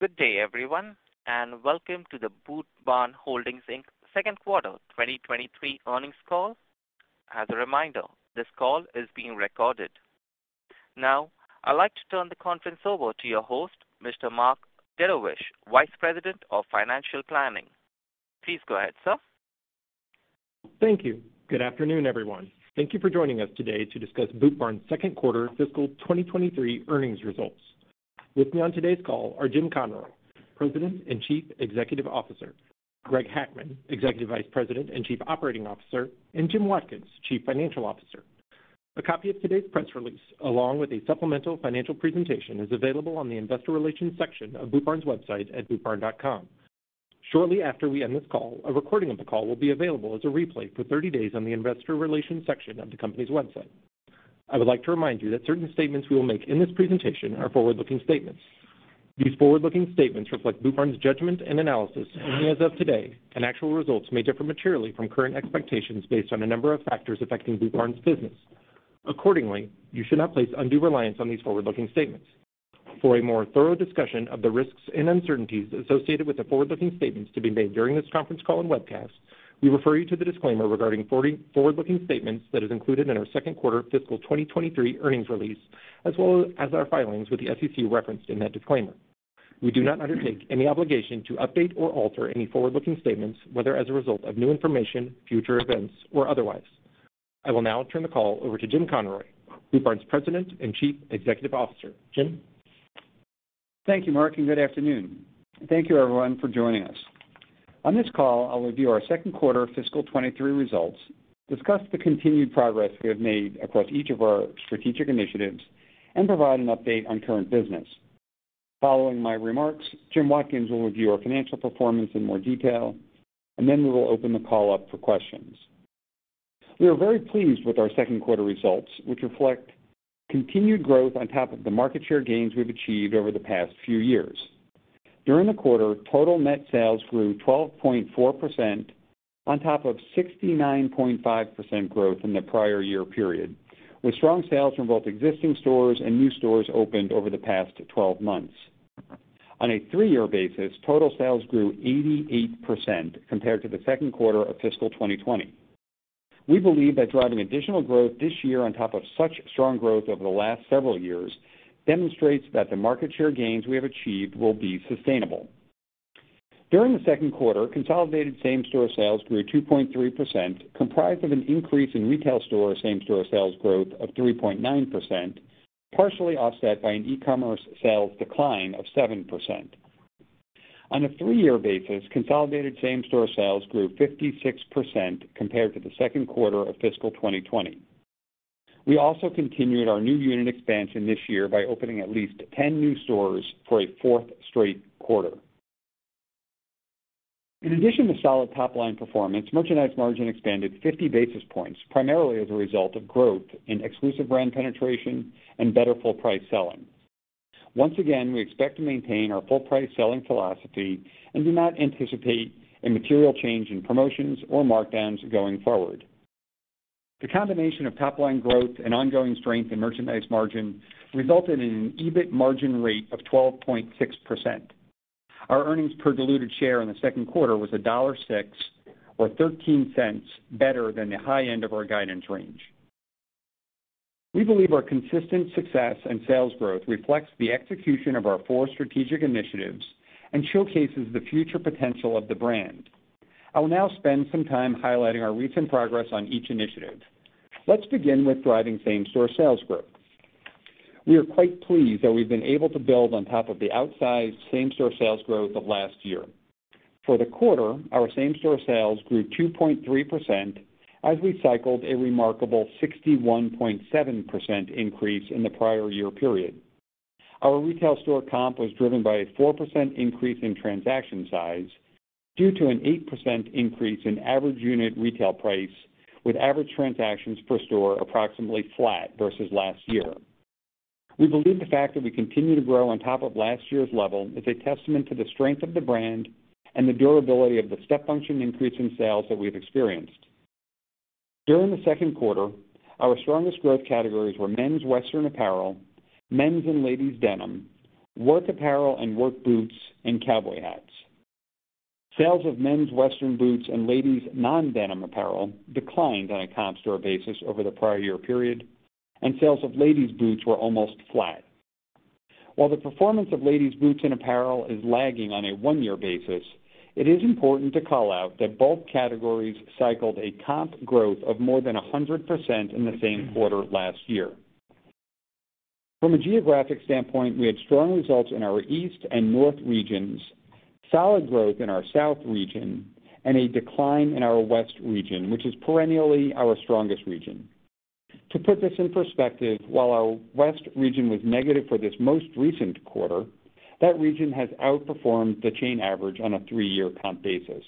Good day, everyone, and welcome to the Boot Barn Holdings, Inc. Second Quarter 2023 Earnings Call. As a reminder, this call is being recorded. Now, I'd like to turn the conference over to your host, Mr. Mark Dedovesh, Vice President of Financial Planning. Please go ahead, sir. Thank you. Good afternoon, everyone. Thank you for joining us today to discuss Boot Barn's second quarter fiscal 2023 earnings results. With me on today's call are Jim Conroy, President and Chief Executive Officer, Greg Hackman, Executive Vice President and Chief Operating Officer, and Jim Watkins, Chief Financial Officer. A copy of today's press release, along with a supplemental financial presentation, is available on the investor relations section of Boot Barn's website at bootbarn.com. Shortly after we end this call, a recording of the call will be available as a replay for 30 days on the Investor Relations section of the company's website. I would like to remind you that certain statements we will make in this presentation are forward-looking statements. These forward-looking statements reflect Boot Barn's judgment and analysis only as of today, and actual results may differ materially from current expectations based on a number of factors affecting Boot Barn's business. Accordingly, you should not place undue reliance on these forward-looking statements. For a more thorough discussion of the risks and uncertainties associated with the forward-looking statements to be made during this conference call and webcast, we refer you to the disclaimer regarding forward-looking statements that is included in our second quarter fiscal 2023 earnings release, as well as our filings with the SEC referenced in that disclaimer. We do not undertake any obligation to update or alter any forward-looking statements, whether as a result of new information, future events, or otherwise. I will now turn the call over to Jim Conroy, Boot Barn's President and Chief Executive Officer. Jim. Thank you, Mark, and good afternoon. Thank you everyone for joining us. On this call, I'll review our second quarter fiscal 2023 results, discuss the continued progress we have made across each of our strategic initiatives, and provide an update on current business. Following my remarks, Jim Watkins will review our financial performance in more detail, and then we will open the call up for questions. We are very pleased with our second quarter results, which reflect continued growth on top of the market share gains we've achieved over the past few years. During the quarter, total net sales grew 12.4% on top of 69.5% growth in the prior year period, with strong sales from both existing stores and new stores opened over the past 12 months. On a three-year basis, total sales grew 88% compared to the second quarter of fiscal 2020. We believe that driving additional growth this year on top of such strong growth over the last several years demonstrates that the market share gains we have achieved will be sustainable. During the second quarter, consolidated same-store sales grew 2.3%, comprised of an increase in retail store same-store sales growth of 3.9%, partially offset by an e-commerce sales decline of 7%. On a three-year basis, consolidated same-store sales grew 56% compared to the second quarter of fiscal 2020. We also continued our new unit expansion this year by opening at least 10 new stores for a fourth straight quarter. In addition to solid top-line performance, merchandise margin expanded 50 basis points, primarily as a result of growth in exclusive brand penetration and better full price selling. Once again, we expect to maintain our full price selling philosophy and do not anticipate a material change in promotions or markdowns going forward. The combination of top-line growth and ongoing strength in merchandise margin resulted in an EBIT margin rate of 12.6%. Our earnings per diluted share in the second quarter was $1.06, or $0.13 better than the high end of our guidance range. We believe our consistent success and sales growth reflects the execution of our four strategic initiatives and showcases the future potential of the brand. I will now spend some time highlighting our recent progress on each initiative. Let's begin with driving same-store sales growth. We are quite pleased that we've been able to build on top of the outsized same-store sales growth of last year. For the quarter, our same-store sales grew 2.3% as we cycled a remarkable 61.7% increase in the prior year period. Our retail store comp was driven by a 4% increase in transaction size due to an 8% increase in average unit retail price, with average transactions per store approximately flat versus last year. We believe the fact that we continue to grow on top of last year's level is a testament to the strength of the brand and the durability of the step function increase in sales that we've experienced. During the second quarter, our strongest growth categories were men's western apparel, men's and ladies' denim, work apparel and work boots, and cowboy hats. Sales of men's western boots and ladies' non-denim apparel declined on a comp store basis over the prior year period, and sales of ladies' boots were almost flat. While the performance of ladies' boots and apparel is lagging on a one-year basis, it is important to call out that both categories cycled a comp growth of more than 100% in the same quarter last year. From a geographic standpoint, we had strong results in our east and north regions, solid growth in our south region, and a decline in our west region, which is perennially our strongest region. To put this in perspective, while our west region was negative for this most recent quarter, that region has outperformed the chain average on a three-year comp basis.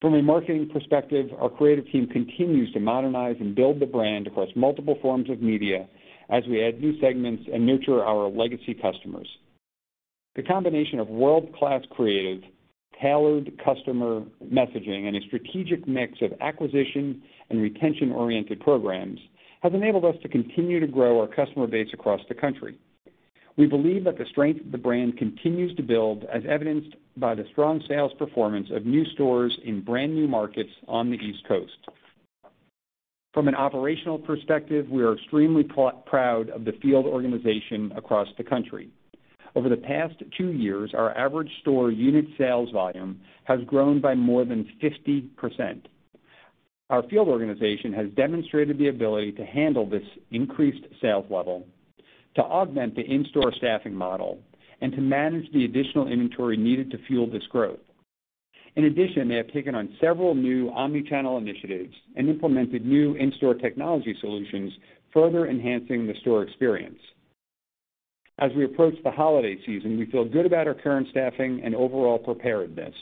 From a marketing perspective, our creative team continues to modernize and build the brand across multiple forms of media as we add new segments and nurture our legacy customers. The combination of world-class creative, tailored customer messaging and a strategic mix of acquisition and retention-oriented programs have enabled us to continue to grow our customer base across the country. We believe that the strength of the brand continues to build, as evidenced by the strong sales performance of new stores in brand-new markets on the East Coast. From an operational perspective, we are extremely proud of the field organization across the country. Over the past two years, our average store unit sales volume has grown by more than 50%. Our field organization has demonstrated the ability to handle this increased sales level, to augment the in-store staffing model, and to manage the additional inventory needed to fuel this growth. In addition, they have taken on several new omni-channel initiatives and implemented new in-store technology solutions, further enhancing the store experience. As we approach the holiday season, we feel good about our current staffing and overall preparedness.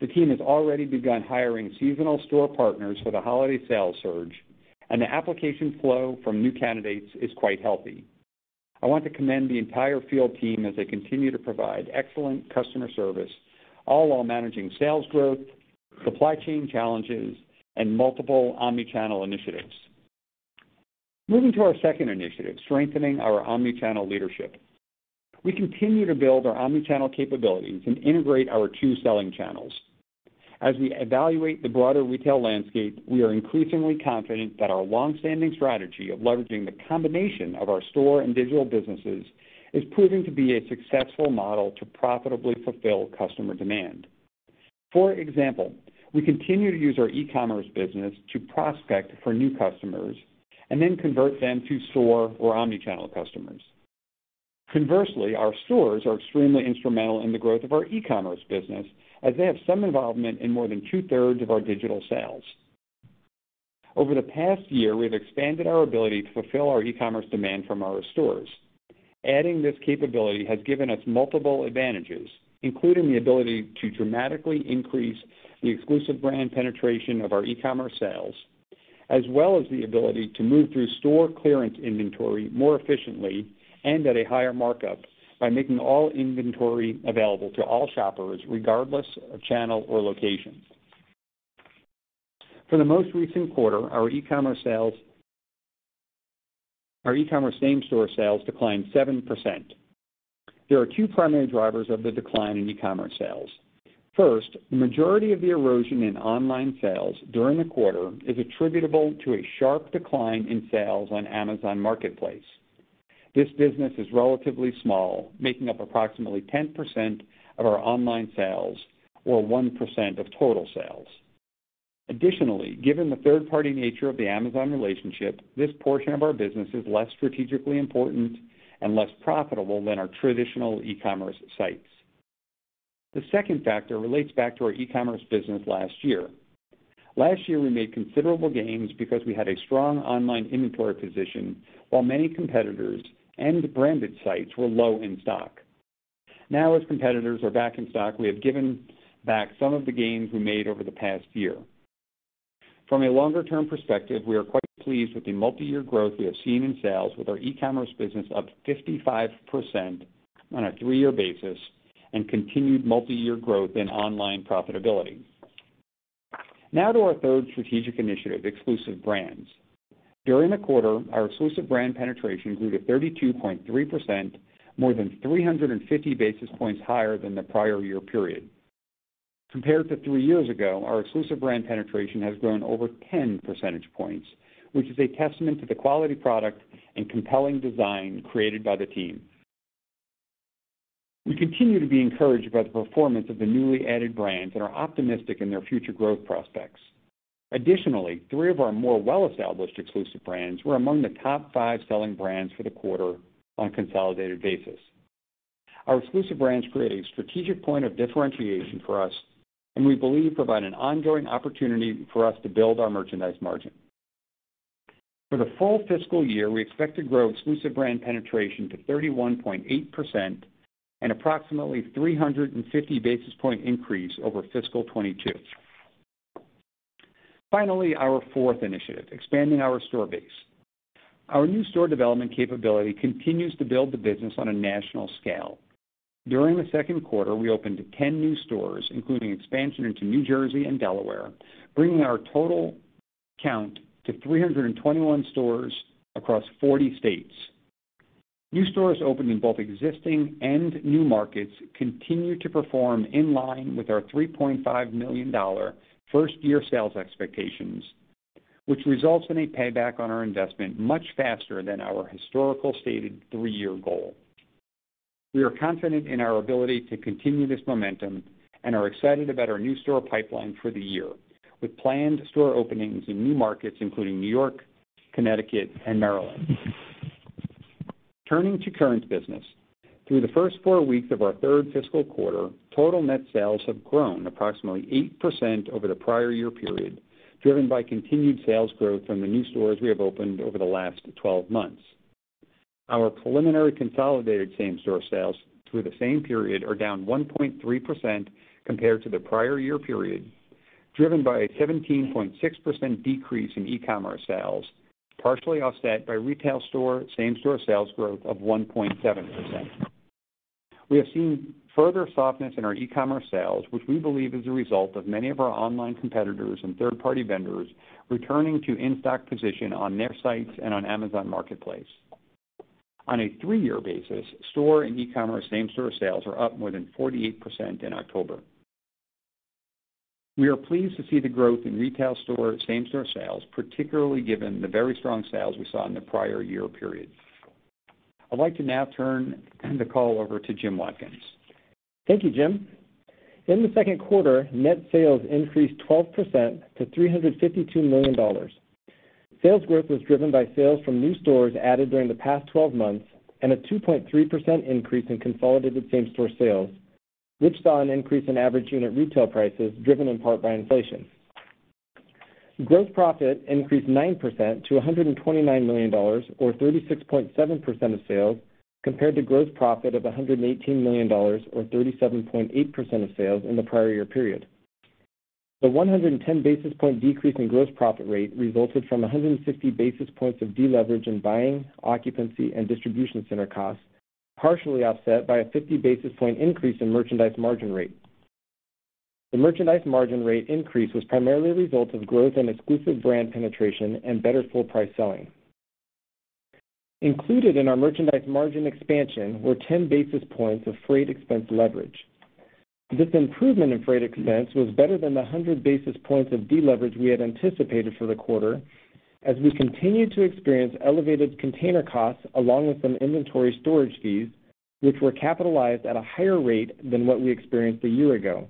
The team has already begun hiring seasonal store partners for the holiday sales surge, and the application flow from new candidates is quite healthy. I want to commend the entire field team as they continue to provide excellent customer service, all while managing sales growth, supply chain challenges, and multiple omni-channel initiatives. Moving to our second initiative, strengthening our omni-channel leadership. We continue to build our omni-channel capabilities and integrate our two selling channels. As we evaluate the broader retail landscape, we are increasingly confident that our long-standing strategy of leveraging the combination of our store and digital businesses is proving to be a successful model to profitably fulfill customer demand. For example, we continue to use our e-commerce business to prospect for new customers and then convert them to store or omni-channel customers. Conversely, our stores are extremely instrumental in the growth of our e-commerce business, as they have some involvement in more than two-thirds of our digital sales. Over the past year, we have expanded our ability to fulfill our e-commerce demand from our stores. Adding this capability has given us multiple advantages, including the ability to dramatically increase the exclusive brand penetration of our e-commerce sales, as well as the ability to move through store clearance inventory more efficiently and at a higher markup by making all inventory available to all shoppers, regardless of channel or location. For the most recent quarter, our e-commerce same-store sales declined 7%. There are two primary drivers of the decline in e-commerce sales. First, the majority of the erosion in online sales during the quarter is attributable to a sharp decline in sales on Amazon Marketplace. This business is relatively small, making up approximately 10% of our online sales, or 1% of total sales. Additionally, given the third-party nature of the Amazon relationship, this portion of our business is less strategically important and less profitable than our traditional e-commerce sites. The second factor relates back to our e-commerce business last year. Last year, we made considerable gains because we had a strong online inventory position, while many competitors and branded sites were low in stock. Now, as competitors are back in stock, we have given back some of the gains we made over the past year. From a longer-term perspective, we are quite pleased with the multiyear growth we have seen in sales with our e-commerce business up 55% on a three-year basis and continued multiyear growth in online profitability. Now to our third strategic initiative, exclusive brands. During the quarter, our exclusive brand penetration grew to 32.3%, more than 350 basis points higher than the prior year period. Compared to three years ago, our exclusive brand penetration has grown over 10 percentage points, which is a testament to the quality product and compelling design created by the team. We continue to be encouraged by the performance of the newly added brands and are optimistic in their future growth prospects. Additionally, three of our more well-established exclusive brands were among the top five selling brands for the quarter on a consolidated basis. Our exclusive brands create a strategic point of differentiation for us and we believe provide an ongoing opportunity for us to build our merchandise margin. For the full fiscal year, we expect to grow exclusive brand penetration to 31.8% and approximately 350 basis point increase over fiscal 2022. Finally, our fourth initiative, expanding our store base. Our new store development capability continues to build the business on a national scale. During the second quarter, we opened 10 new stores, including expansion into New Jersey and Delaware, bringing our total count to 321 stores across 40 states. New stores opened in both existing and new markets continue to perform in line with our $3.5 million first-year sales expectations, which results in a payback on our investment much faster than our historical stated three-year goal. We are confident in our ability to continue this momentum and are excited about our new store pipeline for the year, with planned store openings in new markets, including New York, Connecticut, and Maryland. Turning to current business, through the first four weeks of our third fiscal quarter, total net sales have grown approximately 8% over the prior year period, driven by continued sales growth from the new stores we have opened over the last 12 months. Our preliminary consolidated same-store sales through the same period are down 1.3% compared to the prior year period. Driven by a 17.6% decrease in e-commerce sales, partially offset by retail store same-store sales growth of 1.7%. We have seen further softness in our e-commerce sales, which we believe is a result of many of our online competitors and third-party vendors returning to in-stock position on their sites and on Amazon Marketplace. On a three-year basis, store and e-commerce same-store sales are up more than 48% in October. We are pleased to see the growth in retail store same-store sales, particularly given the very strong sales we saw in the prior year period. I'd like to now turn the call over to Jim Watkins. Thank you, Jim. In the second quarter, net sales increased 12% to $352 million. Sales growth was driven by sales from new stores added during the past 12 months and a 2.3% increase in consolidated same-store sales, which saw an increase in average unit retail prices, driven in part by inflation. Gross profit increased 9% to $129 million or 36.7% of sales, compared to gross profit of $118 million or 37.8% of sales in the prior year period. The 110 basis point decrease in gross profit rate resulted from 150 basis points of deleverage in buying, occupancy, and distribution center costs, partially offset by a 50 basis point increase in merchandise margin rate. The merchandise margin rate increase was primarily a result of growth in exclusive brand penetration and better full price selling. Included in our merchandise margin expansion were 10 basis points of freight expense leverage. This improvement in freight expense was better than the 100 basis points of deleverage we had anticipated for the quarter, as we continued to experience elevated container costs along with some inventory storage fees, which were capitalized at a higher rate than what we experienced a year ago.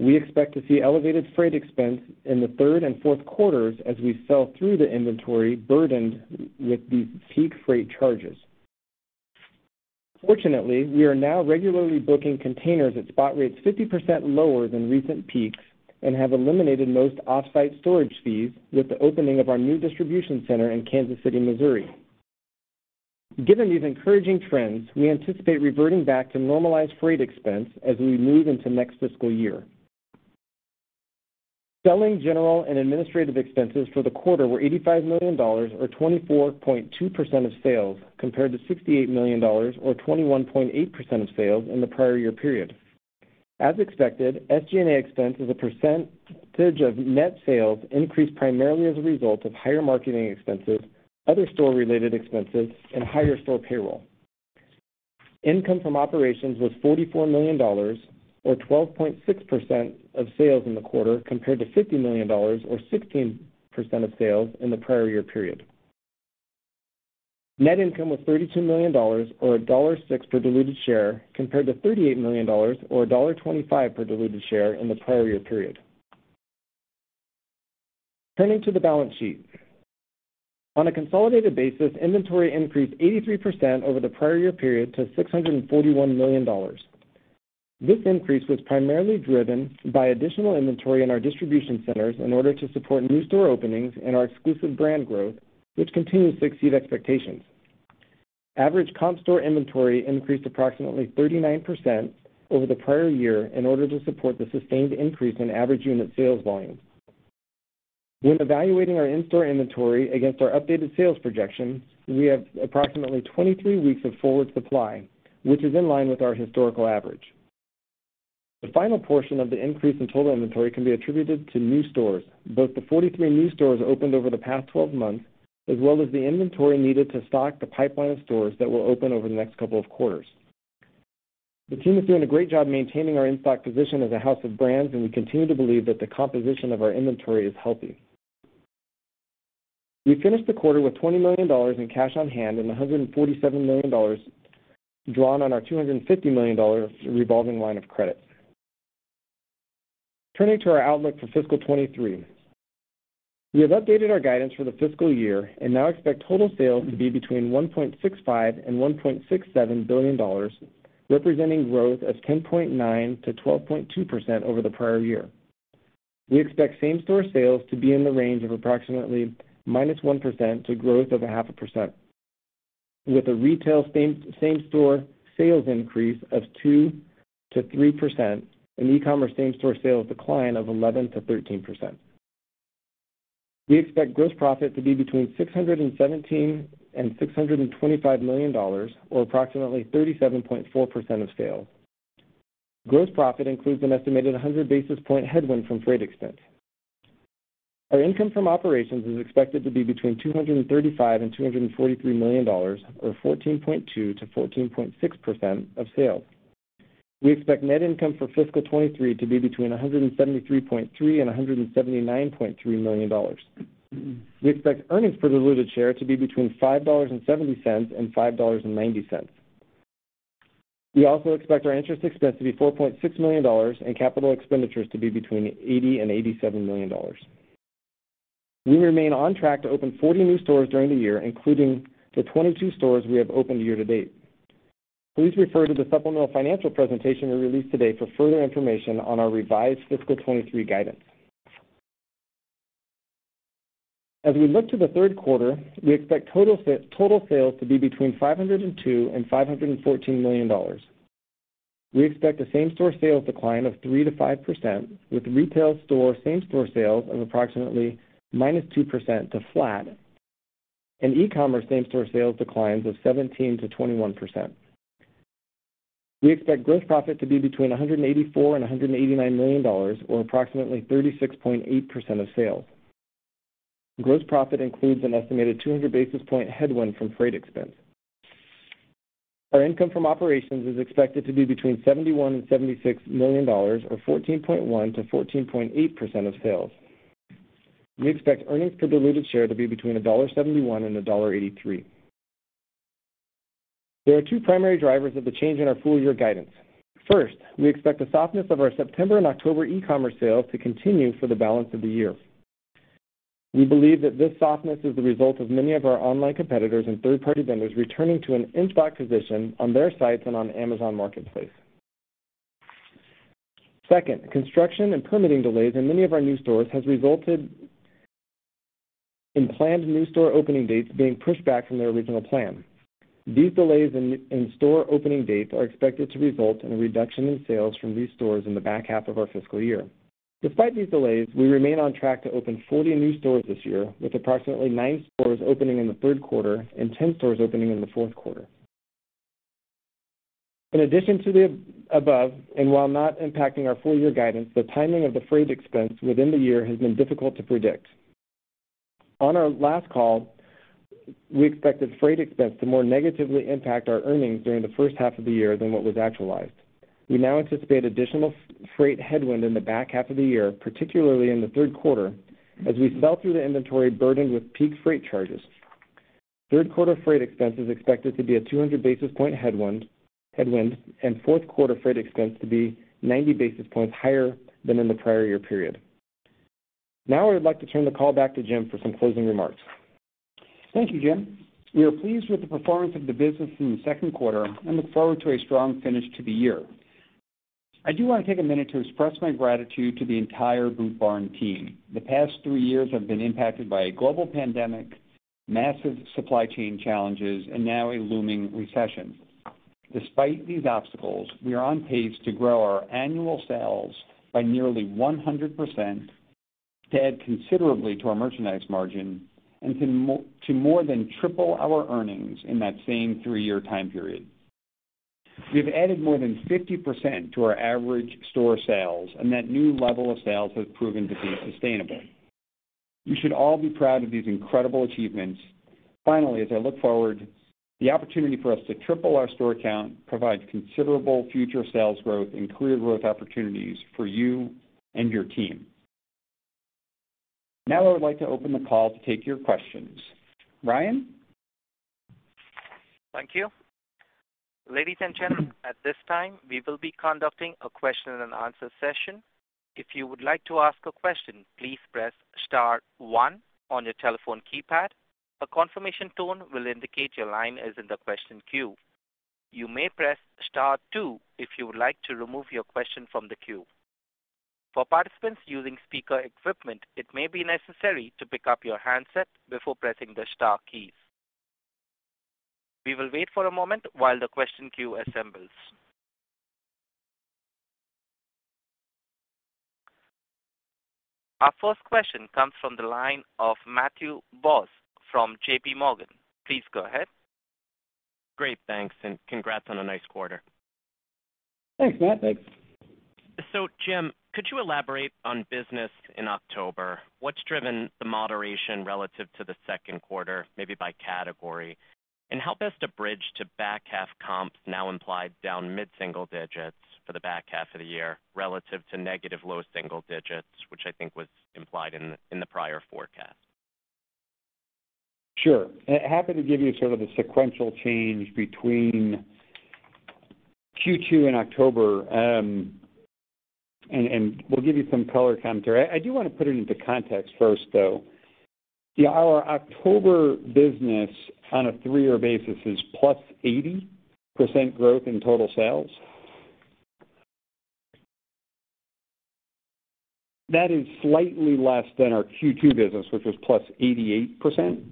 We expect to see elevated freight expense in the third and fourth quarters as we sell through the inventory burdened with these peak freight charges. Fortunately, we are now regularly booking containers at spot rates 50% lower than recent peaks and have eliminated most off-site storage fees with the opening of our new distribution center in Kansas City, Missouri. Given these encouraging trends, we anticipate reverting back to normalized freight expense as we move into next fiscal year. Selling, general, and administrative expenses for the quarter were $85 million or 24.2% of sales, compared to $68 million or 21.8% of sales in the prior year period. As expected, SG&A expense as a percentage of net sales increased primarily as a result of higher marketing expenses, other store-related expenses, and higher store payroll. Income from operations was $44 million or 12.6% of sales in the quarter, compared to $50 million or 16% of sales in the prior year period. Net income was $32 million or $1.06 per diluted share, compared to $38 million or $1.25 per diluted share in the prior year period. Turning to the balance sheet. On a consolidated basis, inventory increased 83% over the prior year period to $641 million. This increase was primarily driven by additional inventory in our distribution centers in order to support new store openings and our exclusive brand growth, which continues to exceed expectations. Average comp store inventory increased approximately 39% over the prior year in order to support the sustained increase in average unit sales volume. When evaluating our in-store inventory against our updated sales projections, we have approximately 23 weeks of forward supply, which is in line with our historical average. The final portion of the increase in total inventory can be attributed to new stores, both the 43 new stores opened over the past 12 months, as well as the inventory needed to stock the pipeline of stores that will open over the next couple of quarters. The team is doing a great job maintaining our in-stock position as a house of brands, and we continue to believe that the composition of our inventory is healthy. We finished the quarter with $20 million in cash on hand and $147 million drawn on our $250 million revolving line of credit. Turning to our outlook for fiscal 2023. We have updated our guidance for the fiscal year and now expect total sales to be between $1.65 billion and $1.67 billion, representing growth of 10.9% to 12.2% over the prior year. We expect same-store sales to be in the range of approximately -1% to growth of 0.5%, with a retail same-store sales increase of 2% to 3% and e-commerce same-store sales decline of 11% to 13%. We expect gross profit to be between $617 million and $625 million or approximately 37.4% of sales. Gross profit includes an estimated 100 basis point headwind from freight expense. Our income from operations is expected to be between $235 million and $243 million or 14.2% to 14.6% of sales. We expect net income for fiscal 2023 to be between $173.3 million and $179.3 million. We expect earnings per diluted share to be between $5.70 and $5.90. We also expect our interest expense to be $4.6 million and capital expenditures to be between $80-$87 million. We remain on track to open 40 new stores during the year, including the 22 stores we have opened year to date. Please refer to the supplemental financial presentation we released today for further information on our revised fiscal 2023 guidance. As we look to the third quarter, we expect total sales to be between $502 to $514 million. We expect the same-store sales decline of 3% to 5% with retail store same-store sales of approximately -2% to flat. In e-commerce same-store sales declines of 17% to 21%. We expect gross profit to be between $184 million and $189 million or approximately 36.8% of sales. Gross profit includes an estimated 200 basis point headwind from freight expense. Our income from operations is expected to be between $71 million and $76 million or 14.1% to 14.8% of sales. We expect earnings per diluted share to be between $1.71 and $1.83. There are two primary drivers of the change in our full year guidance. First, we expect the softness of our September and October e-commerce sales to continue for the balance of the year. We believe that this softness is the result of many of our online competitors and third-party vendors returning to an in-stock position on their sites and on Amazon Marketplace. Second, construction and permitting delays in many of our new stores has resulted in planned new store opening dates being pushed back from their original plan. These delays in store opening dates are expected to result in a reduction in sales from these stores in the back half of our fiscal year. Despite these delays, we remain on track to open 40 new stores this year, with approximately nine stores opening in the third quarter and 10 stores opening in the fourth quarter. In addition to the above, while not impacting our full year guidance, the timing of the freight expense within the year has been difficult to predict. On our last call, we expected freight expense to more negatively impact our earnings during the first half of the year than what was actualized. We now anticipate additional sea freight headwind in the back half of the year, particularly in the third quarter, as we sell through the inventory burdened with peak freight charges. Third quarter freight expense is expected to be a 200 basis point headwind, and fourth quarter freight expense to be 90 basis points higher than in the prior year period. Now I would like to turn the call back to Jim for some closing remarks. Thank you, Jim. We are pleased with the performance of the business in the second quarter and look forward to a strong finish to the year. I do want to take a minute to express my gratitude to the entire Boot Barn team. The past three years have been impacted by a global pandemic, massive supply chain challenges, and now a looming recession. Despite these obstacles, we are on pace to grow our annual sales by nearly 100% to add considerably to our merchandise margin and to more than triple our earnings in that same three-year time period. We've added more than 50% to our average store sales, and that new level of sales has proven to be sustainable. We should all be proud of these incredible achievements. Finally, as I look forward, the opportunity for us to triple our store count provides considerable future sales growth and career growth opportunities for you and your team. Now I would like to open the call to take your questions. Ryan. Thank you. Ladies and gentlemen, at this time, we will be conducting a question and answer session. If you would like to ask a question, please press star one on your telephone keypad. A confirmation tone will indicate your line is in the question queue. You may press star two if you would like to remove your question from the queue. For participants using speaker equipment, it may be necessary to pick up your handset before pressing the star keys. We will wait for a moment while the question queue assembles. Our first question comes from the line of Matthew Boss from JPMorgan. Please go ahead. Great, thanks and congrats on a nice quarter. Thanks, Matt. Thanks. Jim, could you elaborate on business in October? What's driven the moderation relative to the second quarter, maybe by category? How best to bridge to back half comps now implied down mid-single digits for the back half of the year relative to negative low single digits, which I think was implied in the prior forecast. Sure. I happen to give you sort of the sequential change between Q2 and October. And we'll give you some color commentary. I do wanna put it into context first, though. Our October business on a three-year basis is +80% growth in total sales. That is slightly less than our Q2 business, which was +88%.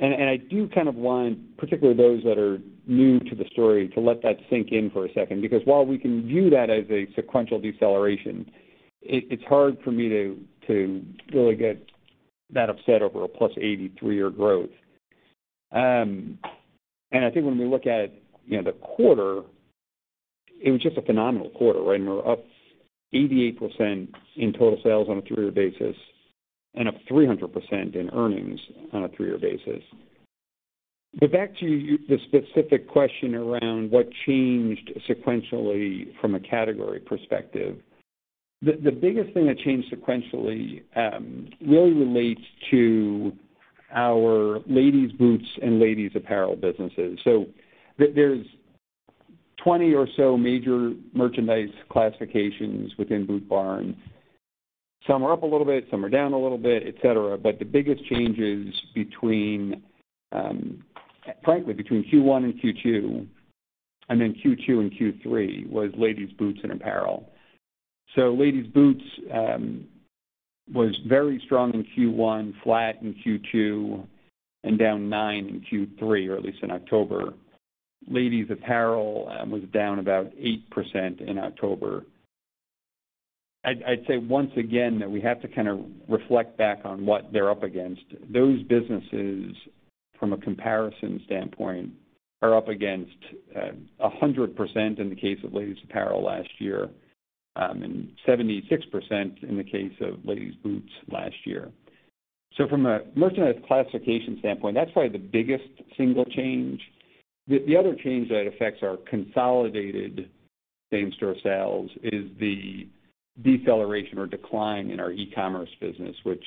And I do kind of want, particularly those that are new to the story, to let that sink in for a second. Because while we can view that as a sequential deceleration, it's hard for me to really get that upset over a +80% three-year growth. I think when we look at, you know, the quarter, it was just a phenomenal quarter and we're up 88% in total sales on a three-year basis and up 300% in earnings on a three-year basis. Back to the specific question around what changed sequentially from a category perspective. The biggest thing that changed sequentially really relates to our ladies' boots and ladies' apparel businesses. There's 20 or so major merchandise classifications within Boot Barn. Some are up a little bit, some are down a little bit, et cetera. The biggest changes between, frankly, between Q1 and Q2, and then Q2 and Q3 was ladies' boots and apparel. Ladies boots was very strong in Q1, flat in Q2, and down 9% in Q3, or at least in October. Ladies apparel was down about 8% in October. I'd say once again that we have to kinda reflect back on what they're up against. Those businesses from a comparison standpoint are up against 100% in the case of ladies apparel last year, and 76% in the case of ladies boots last year. From a merchandise classification standpoint, that's probably the biggest single change. The other change that affects our consolidated same-store sales is the deceleration or decline in our e-commerce business, which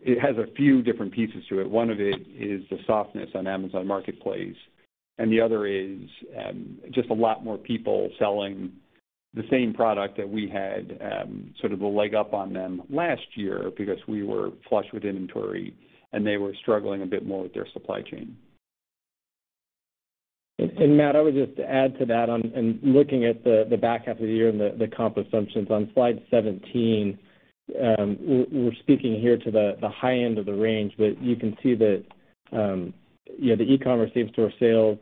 it has a few different pieces to it. One of it is the softness on Amazon Marketplace, and the other is just a lot more people selling the same product that we had sort of a leg up on them last year because we were flush with inventory and they were struggling a bit more with their supply chain. Matt, I would just add to that in looking at the back half of the year and the comp assumptions on slide 17, we're speaking here to the high end of the range, but you can see that, you know, the e-commerce same-store sales,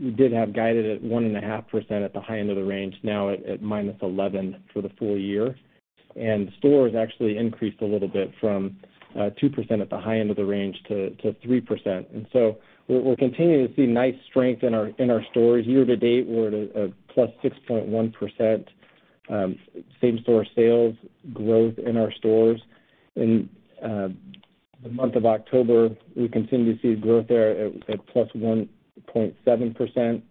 we did have guided at 1.5% at the high end of the range, now at -11% for the full year. Stores actually increased a little bit from 2% at the high end of the range to 3%. We're continuing to see nice strength in our stores. Year to date, we're at a +6.1% same-store sales growth in our stores. In the month of October, we continue to see growth there at +1.7%.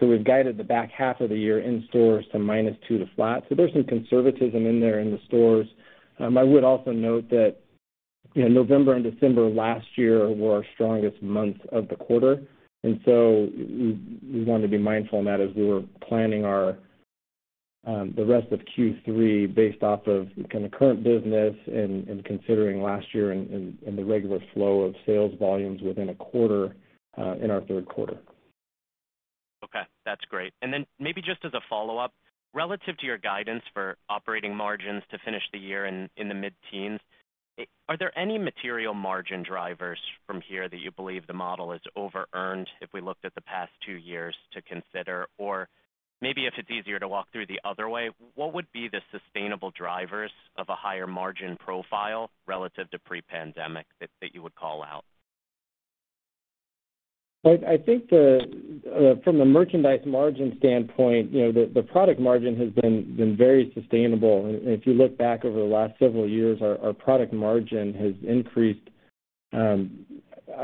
We've guided the back half of the year in stores to -2% to flat. There's some conservatism in there in the stores. I would also note that, you know, November and December last year were our strongest months of the quarter. We wanted to be mindful in that as we were planning the rest of Q3 based off of kinda current business and the regular flow of sales volumes within a quarter in our third quarter. Okay, that's great. Maybe just as a follow-up, relative to your guidance for operating margins to finish the year in the mid-teens, are there any material margin drivers from here that you believe the model is over earned if we looked at the past two years to consider? Or maybe if it's easier to walk through the other way, what would be the sustainable drivers of a higher margin profile relative to pre-pandemic that you would call out? I think from a merchandise margin standpoint, you know, the product margin has been very sustainable. If you look back over the last several years, our product margin has increased. I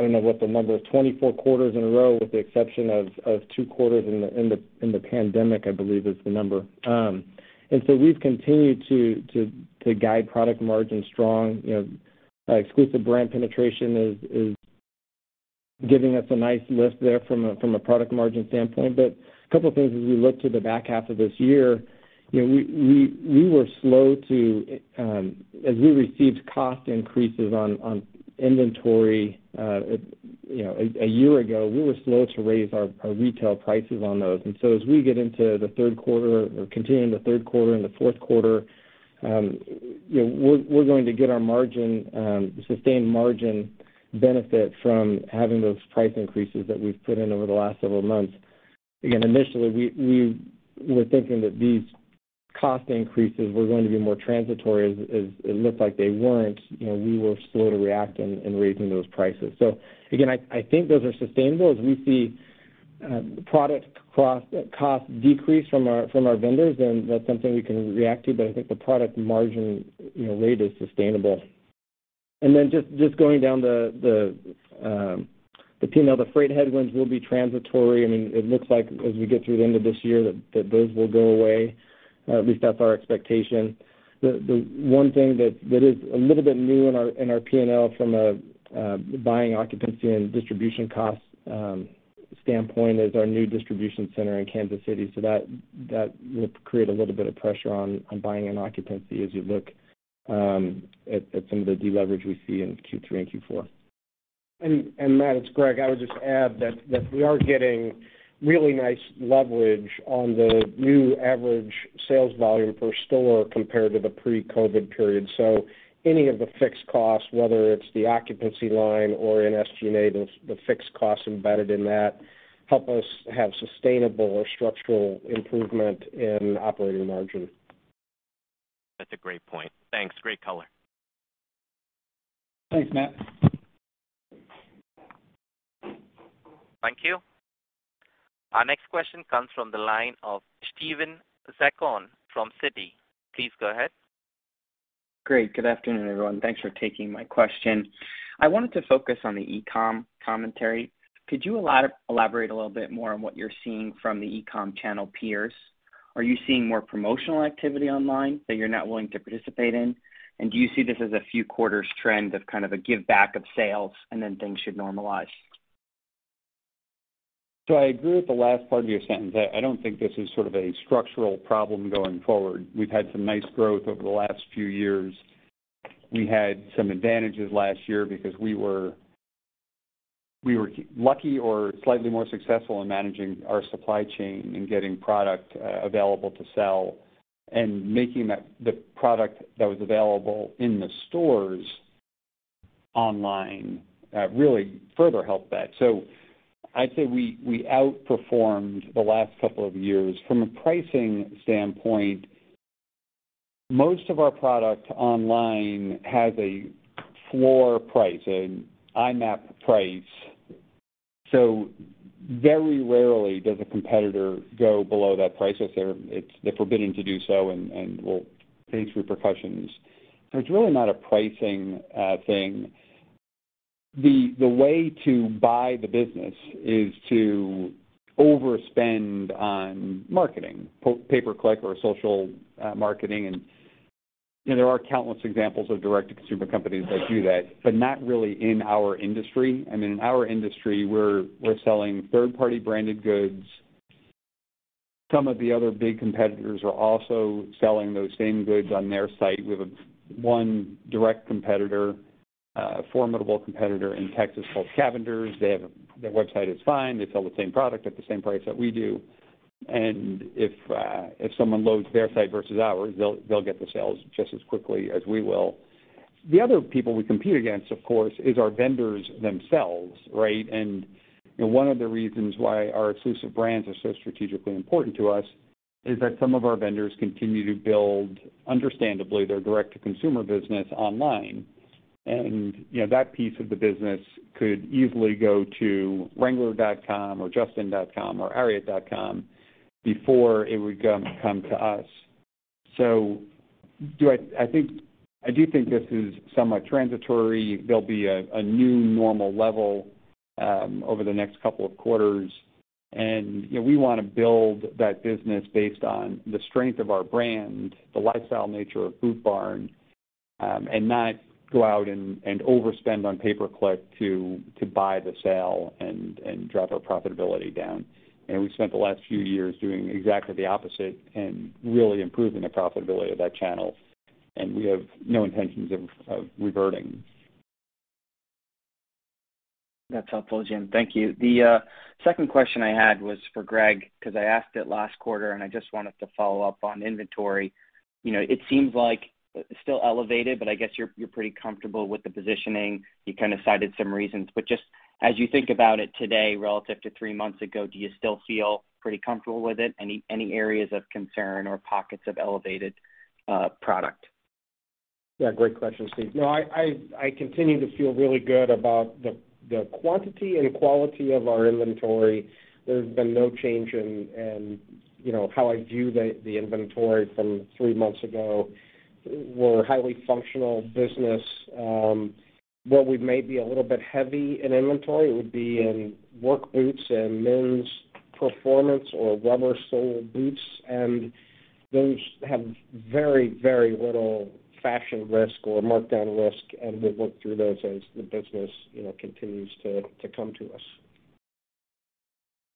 don't know what the number is, 24 quarters in a row with the exception of two quarters in the pandemic, I believe is the number. We've continued to guide product margin strong. You know, our exclusive brand penetration is giving us a nice lift there from a product margin standpoint. A couple things as we look to the back half of this year, you know, we were slow to as we received cost increases on inventory, you know, a year ago, we were slow to raise our retail prices on those. As we get into the third quarter or continue in the third quarter and the fourth quarter, you know, we're going to get our margin sustained margin benefit from having those price increases that we've put in over the last several months. Again, initially, we were thinking that these cost increases were going to be more transitory. As it looked like they weren't, you know, we were slow to react in raising those prices. Again, I think those are sustainable. As we see, product cost decrease from our vendors, then that's something we can react to, but I think the product margin, you know, rate is sustainable. Then just going down the P&L, the freight headwinds will be transitory. I mean, it looks like as we get through the end of this year that those will go away. At least that's our expectation. The one thing that is a little bit new in our P&L from a buying occupancy and distribution cost standpoint is our new distribution center in Kansas City. That will create a little bit of pressure on buying and occupancy as you look at some of the deleverage we see in Q3 and Q4. Matt, it's Greg. I would just add that we are getting really nice leverage on the new average sales volume per store compared to the pre-COVID period. Any of the fixed costs, whether it's the occupancy line or in SG&A, the fixed costs embedded in that, help us have sustainable or structural improvement in operating margin. That's a great point. Thanks. Great color. Thanks, Matt. Thank you. Our next question comes from the line of Steven Zaccone from Citi. Please go ahead. Great. Good afternoon, everyone. Thanks for taking my question. I wanted to focus on the e-com commentary. Could you elaborate a little bit more on what you're seeing from the e-com channel peers? Are you seeing more promotional activity online that you're not willing to participate in? Do you see this as a few quarters trend of kind of a give back of sales and then things should normalize? I agree with the last part of your sentence. I don't think this is sort of a structural problem going forward. We've had some nice growth over the last few years. We had some advantages last year because we were lucky or slightly more successful in managing our supply chain and getting product available to sell and making that the product that was available in the stores online really further helped that. I'd say we outperformed the last couple of years. From a pricing standpoint, most of our product online has a floor price, an IMAP price. Very rarely does a competitor go below that price if they're forbidden to do so and will face repercussions. It's really not a pricing thing. The way to buy the business is to overspend on marketing, pay-per-click or social marketing. You know, there are countless examples of direct-to-consumer companies that do that, but not really in our industry. I mean, in our industry, we're selling third-party branded goods. Some of the other big competitors are also selling those same goods on their site. We have one direct competitor, formidable competitor in Texas called Cavender's. Their website is fine. They sell the same product at the same price that we do. If someone loads their site versus ours, they'll get the sales just as quickly as we will. The other people we compete against, of course, is our vendors themselves, right? You know, one of the reasons why our exclusive brands are so strategically important to us is that some of our vendors continue to build, understandably, their direct-to-consumer business online. You know, that piece of the business could easily go to wrangler.com or justin.com or ariat.com before it would come to us. I do think this is somewhat transitory. There'll be a new normal level over the next couple of quarters. You know, we wanna build that business based on the strength of our brand, the lifestyle nature of Boot Barn, and not go out and overspend on pay-per-click to buy the sale and drop our profitability down. We spent the last few years doing exactly the opposite and really improving the profitability of that channel, and we have no intentions of reverting. That's helpful, Jim. Thank you. The second question I had was for Greg because I asked it last quarter, and I just wanted to follow up on inventory. You know, it seems like it's still elevated, but I guess you're pretty comfortable with the positioning. You kind of cited some reasons. But just as you think about it today relative to three months ago, do you still feel pretty comfortable with it? Any areas of concern or pockets of elevated product? Yeah, great question, Steve. No, I continue to feel really good about the quantity and quality of our inventory. There's been no change in, you know, how I view the inventory from three months ago. We're a highly functional business. Where we may be a little bit heavy in inventory would be in work boots and men's performance or rubber sole boots, and those have very, very little fashion risk or markdown risk, and we'll work through those as the business, you know, continues to come to us.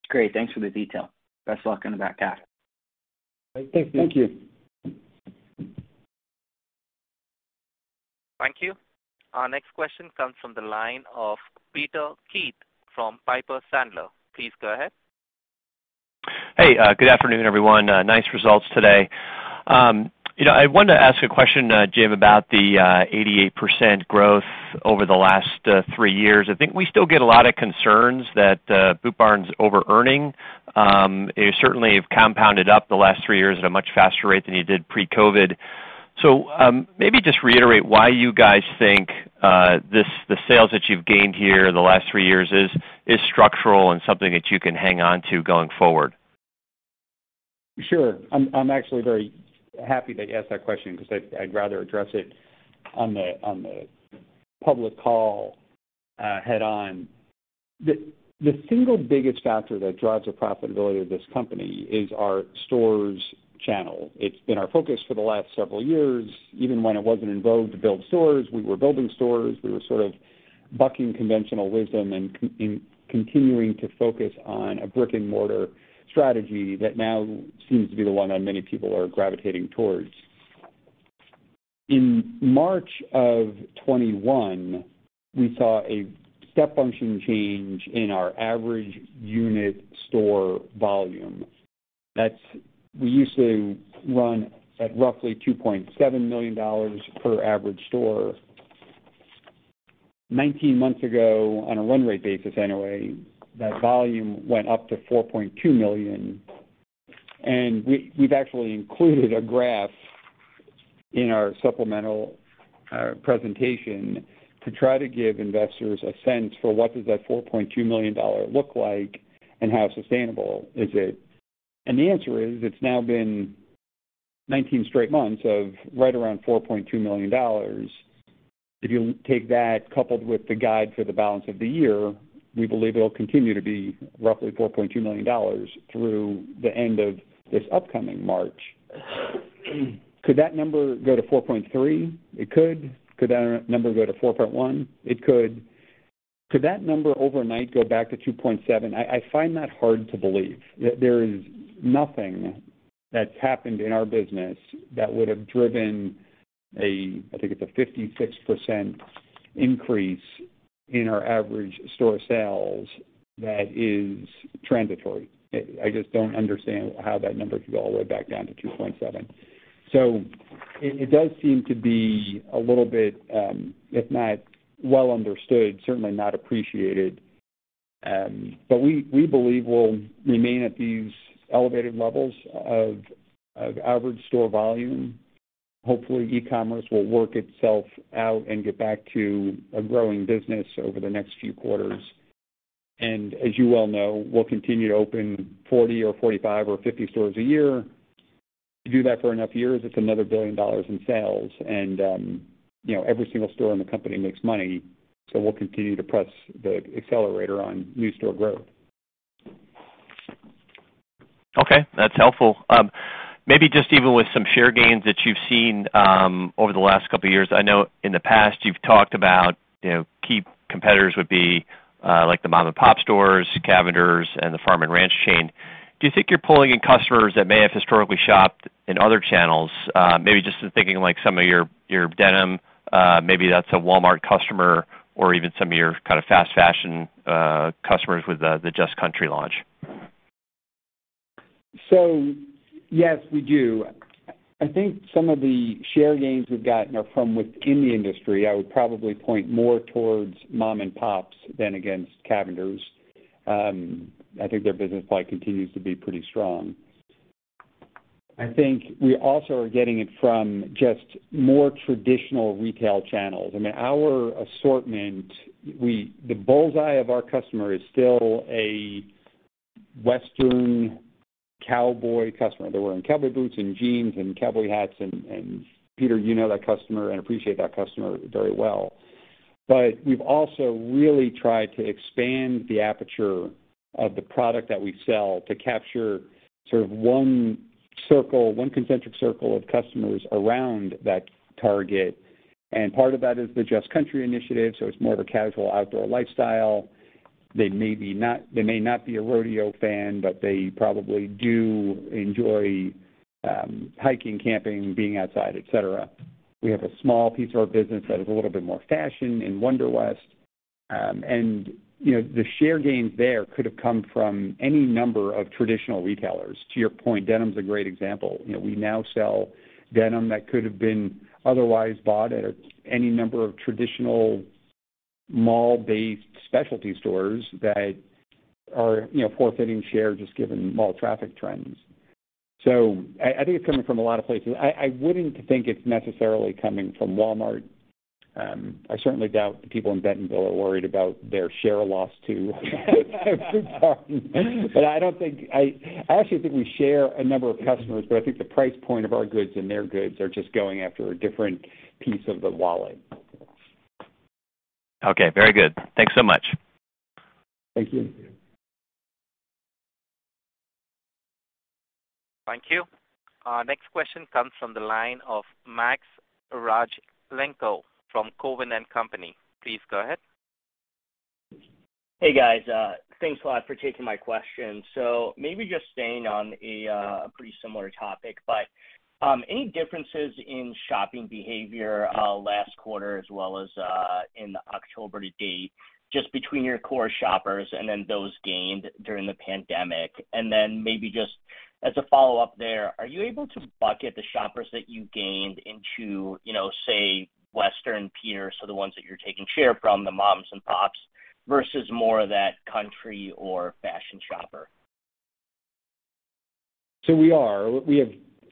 Great. Thanks for the detail. Best luck on the back half. Thank you. Thank you. Thank you. Our next question comes from the line of Peter Keith from Piper Sandler. Please go ahead. Hey, good afternoon, everyone. Nice results today. You know, I wanted to ask a question, Jim, about the 88% growth over the last three years. I think we still get a lot of concerns that Boot Barn's over-earning. You certainly have compounded up the last three years at a much faster rate than you did pre-COVID. Maybe just reiterate why you guys think the sales that you've gained here in the last three years is structural and something that you can hang on to going forward. Sure. I'm actually very happy that you asked that question because I'd rather address it on the public call, head on. The single biggest factor that drives the profitability of this company is our stores channel. It's been our focus for the last several years. Even when it wasn't en vogue to build stores, we were building stores. We were sort of bucking conventional wisdom and continuing to focus on a brick-and-mortar strategy that now seems to be the one that many people are gravitating towards. In March of 2021, we saw a step function change in our average unit store volume. That's. We used to run at roughly $2.7 million per average store. 19 months ago, on a run rate basis anyway, that volume went up to $4.2 million. We've actually included a graph in our supplemental presentation to try to give investors a sense for what does that $4.2 million look like and how sustainable is it. The answer is, it's now been 19 straight months of right around $4.2 million. If you take that coupled with the guide for the balance of the year, we believe it will continue to be roughly $4.2 million through the end of this upcoming March. Could that number go to $4.3? It could. Could that number go to $4.1? It could. Could that number overnight go back to $2.7? I find that hard to believe. That's happened in our business that would have driven, I think, a 56% increase in our average store sales that is transitory. I just don't understand how that number could go all the way back down to $2.7. It does seem to be a little bit, if not well understood, certainly not appreciated. We believe we'll remain at these elevated levels of average store volume. Hopefully, e-commerce will work itself out and get back to a growing business over the next few quarters. As you well know, we'll continue to open 40 or 45 or 50 stores a year. To do that for enough years, it's another $1 billion in sales. You know, every single store in the company makes money, so we'll continue to press the accelerator on new store growth. Okay, that's helpful. Maybe just even with some share gains that you've seen over the last couple of years. I know in the past you've talked about, you know, key competitors would be like the mom-and-pop stores, Cavender's, and the Farm & Ranch chain. Do you think you're pulling in customers that may have historically shopped in other channels? Maybe just in thinking like some of your your denim, maybe that's a Walmart customer or even some of your kind of fast fashion, customers with the the Just Country launch. Yes, we do. I think some of the share gains we've gotten are from within the industry. I would probably point more towards mom-and-pops than against Cavender's. I think their business probably continues to be pretty strong. I think we also are getting it from just more traditional retail channels. I mean, our assortment, the bullseye of our customer is still a Western cowboy customer. They're wearing cowboy boots and jeans and cowboy hats. Peter, you know that customer and appreciate that customer very well. We've also really tried to expand the aperture of the product that we sell to capture sort of one circle, one concentric circle of customers around that target. Part of that is the Just Country initiative, so it's more of a casual outdoor lifestyle. They may not be a rodeo fan, but they probably do enjoy hiking, camping, being outside, et cetera. We have a small piece of our business that is a little bit more fashion in Wonder West. You know, the share gains there could have come from any number of traditional retailers. To your point, denim is a great example. You know, we now sell denim that could have been otherwise bought at any number of traditional mall-based specialty stores that are, you know, forfeiting share just given mall traffic trends. I think it's coming from a lot of places. I wouldn't think it's necessarily coming from Walmart. I certainly doubt the people in Bentonville are worried about their share loss to Boot Barn. I actually think we share a number of customers, but I think the price point of our goods and their goods are just going after a different piece of the wallet. Okay, very good. Thanks so much. Thank you. Thank you. Next question comes from the line of Max Rakhlenko from Cowen and Company. Please go ahead. Hey, guys. Thanks a lot for taking my question. Maybe just staying on a pretty similar topic, but any differences in shopping behavior last quarter as well as in the October to date, just between your core shoppers and then those gained during the pandemic? Maybe just as a follow-up there, are you able to bucket the shoppers that you gained into, you know, say, Western peers, so the ones that you're taking share from, the moms and pops, versus more of that country or fashion shopper?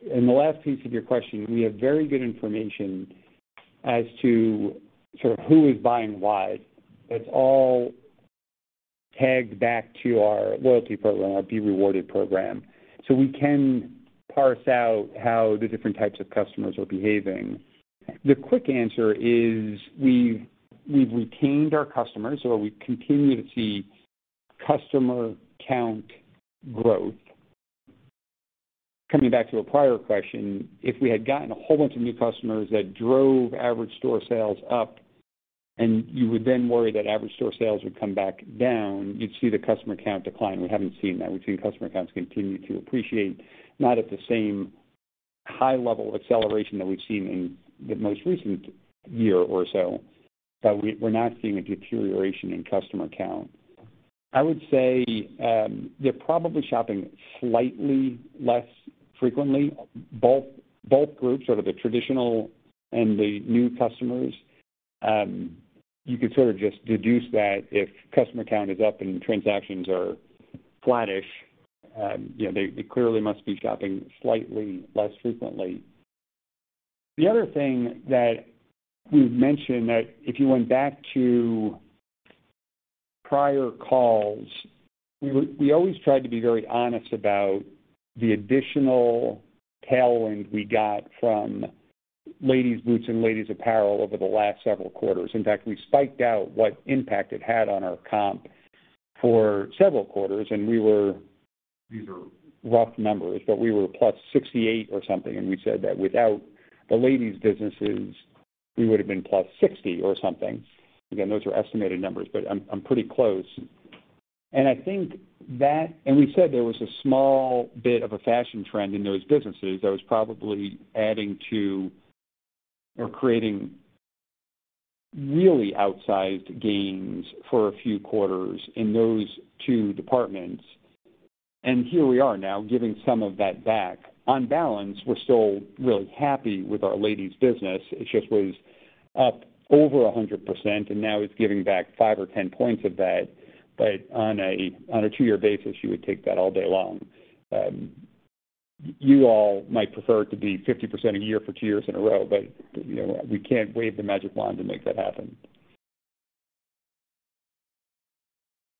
In the last piece of your question, we have very good information as to sort of who is buying what. It's all tagged back to our loyalty program, our Be Rewarded program, so we can parse out how the different types of customers are behaving. The quick answer is we've retained our customers, so we continue to see customer count growth. Coming back to a prior question, if we had gotten a whole bunch of new customers that drove average store sales up and you would then worry that average store sales would come back down, you'd see the customer count decline. We haven't seen that. We've seen customer counts continue to appreciate, not at the same high level acceleration that we've seen in the most recent year or so, but we're not seeing a deterioration in customer count. I would say, they're probably shopping slightly less frequently, both groups, sort of the traditional and the new customers. You could sort of just deduce that if customer count is up and transactions are flattish, you know, they clearly must be shopping slightly less frequently. The other thing that we've mentioned that if you went back to prior calls, we always tried to be very honest about the additional tailwind we got from ladies boots and ladies apparel over the last several quarters. In fact, we called out what impact it had on our comp for several quarters, and we were, these are rough numbers, but we were +68 or something, and we said that without the ladies businesses, we would have been +60 or something. Again, those are estimated numbers, but I'm pretty close. I think that we said there was a small bit of a fashion trend in those businesses that was probably adding to or creating really outsized gains for a few quarters in those two departments. Here we are now giving some of that back. On balance, we're still really happy with our ladies business. It just was up over 100%, and now it's giving back five or 10 points of that. But on a two-year basis, you would take that all day long. You all might prefer it to be 50% a year for two years in a row, but, you know, we can't wave the magic wand to make that happen.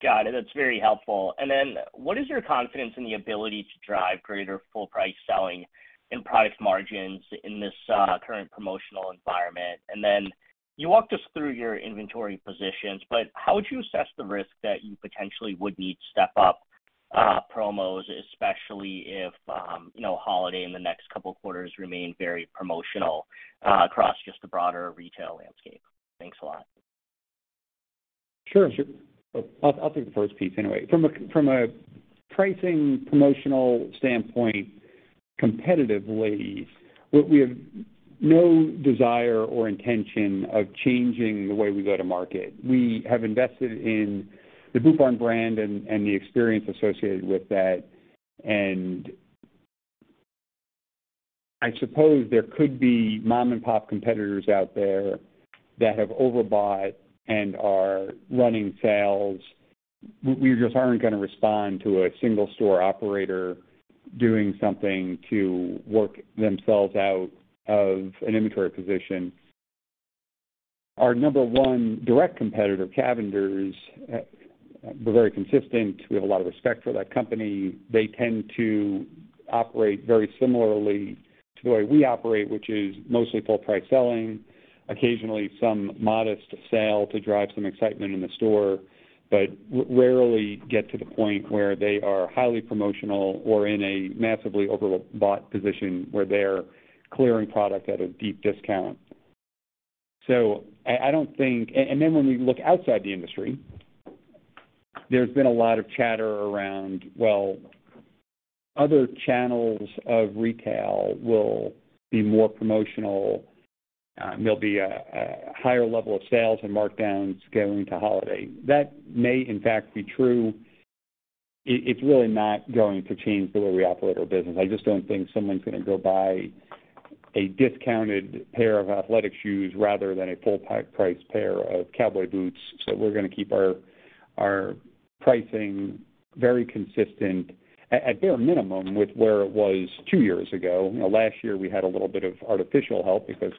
Got it. That's very helpful. Then what is your confidence in the ability to drive greater full price selling and product margins in this current promotional environment? Then you walked us through your inventory positions, but how would you assess the risk that you potentially would need to step up promos, especially if, you know, holiday in the next couple of quarters remain very promotional across just the broader retail landscape? Thanks a lot. Sure. I'll take the first piece anyway. From a pricing promotional standpoint, competitive landscape, we have no desire or intention of changing the way we go to market. We have invested in the Boot Barn brand and the experience associated with that. I suppose there could be mom and pop competitors out there that have overbought and are running sales. We just aren't gonna respond to a single store operator doing something to work themselves out of an inventory position. Our number one direct competitor, Cavender's, we're very consistent. We have a lot of respect for that company. They tend to operate very similarly to the way we operate, which is mostly full price selling, occasionally some modest sale to drive some excitement in the store, but rarely get to the point where they are highly promotional or in a massively overbought position where they're clearing product at a deep discount. I don't think and then when we look outside the industry, there's been a lot of chatter around, well, other channels of retail will be more promotional. There'll be a higher level of sales and markdowns going to holiday. That may in fact be true. It's really not going to change the way we operate our business. I just don't think someone's going to go buy a discounted pair of athletic shoes rather than a full price pair of cowboy boots. We're going to keep our pricing very consistent at bare minimum with where it was two years ago. You know, last year we had a little bit of artificial help because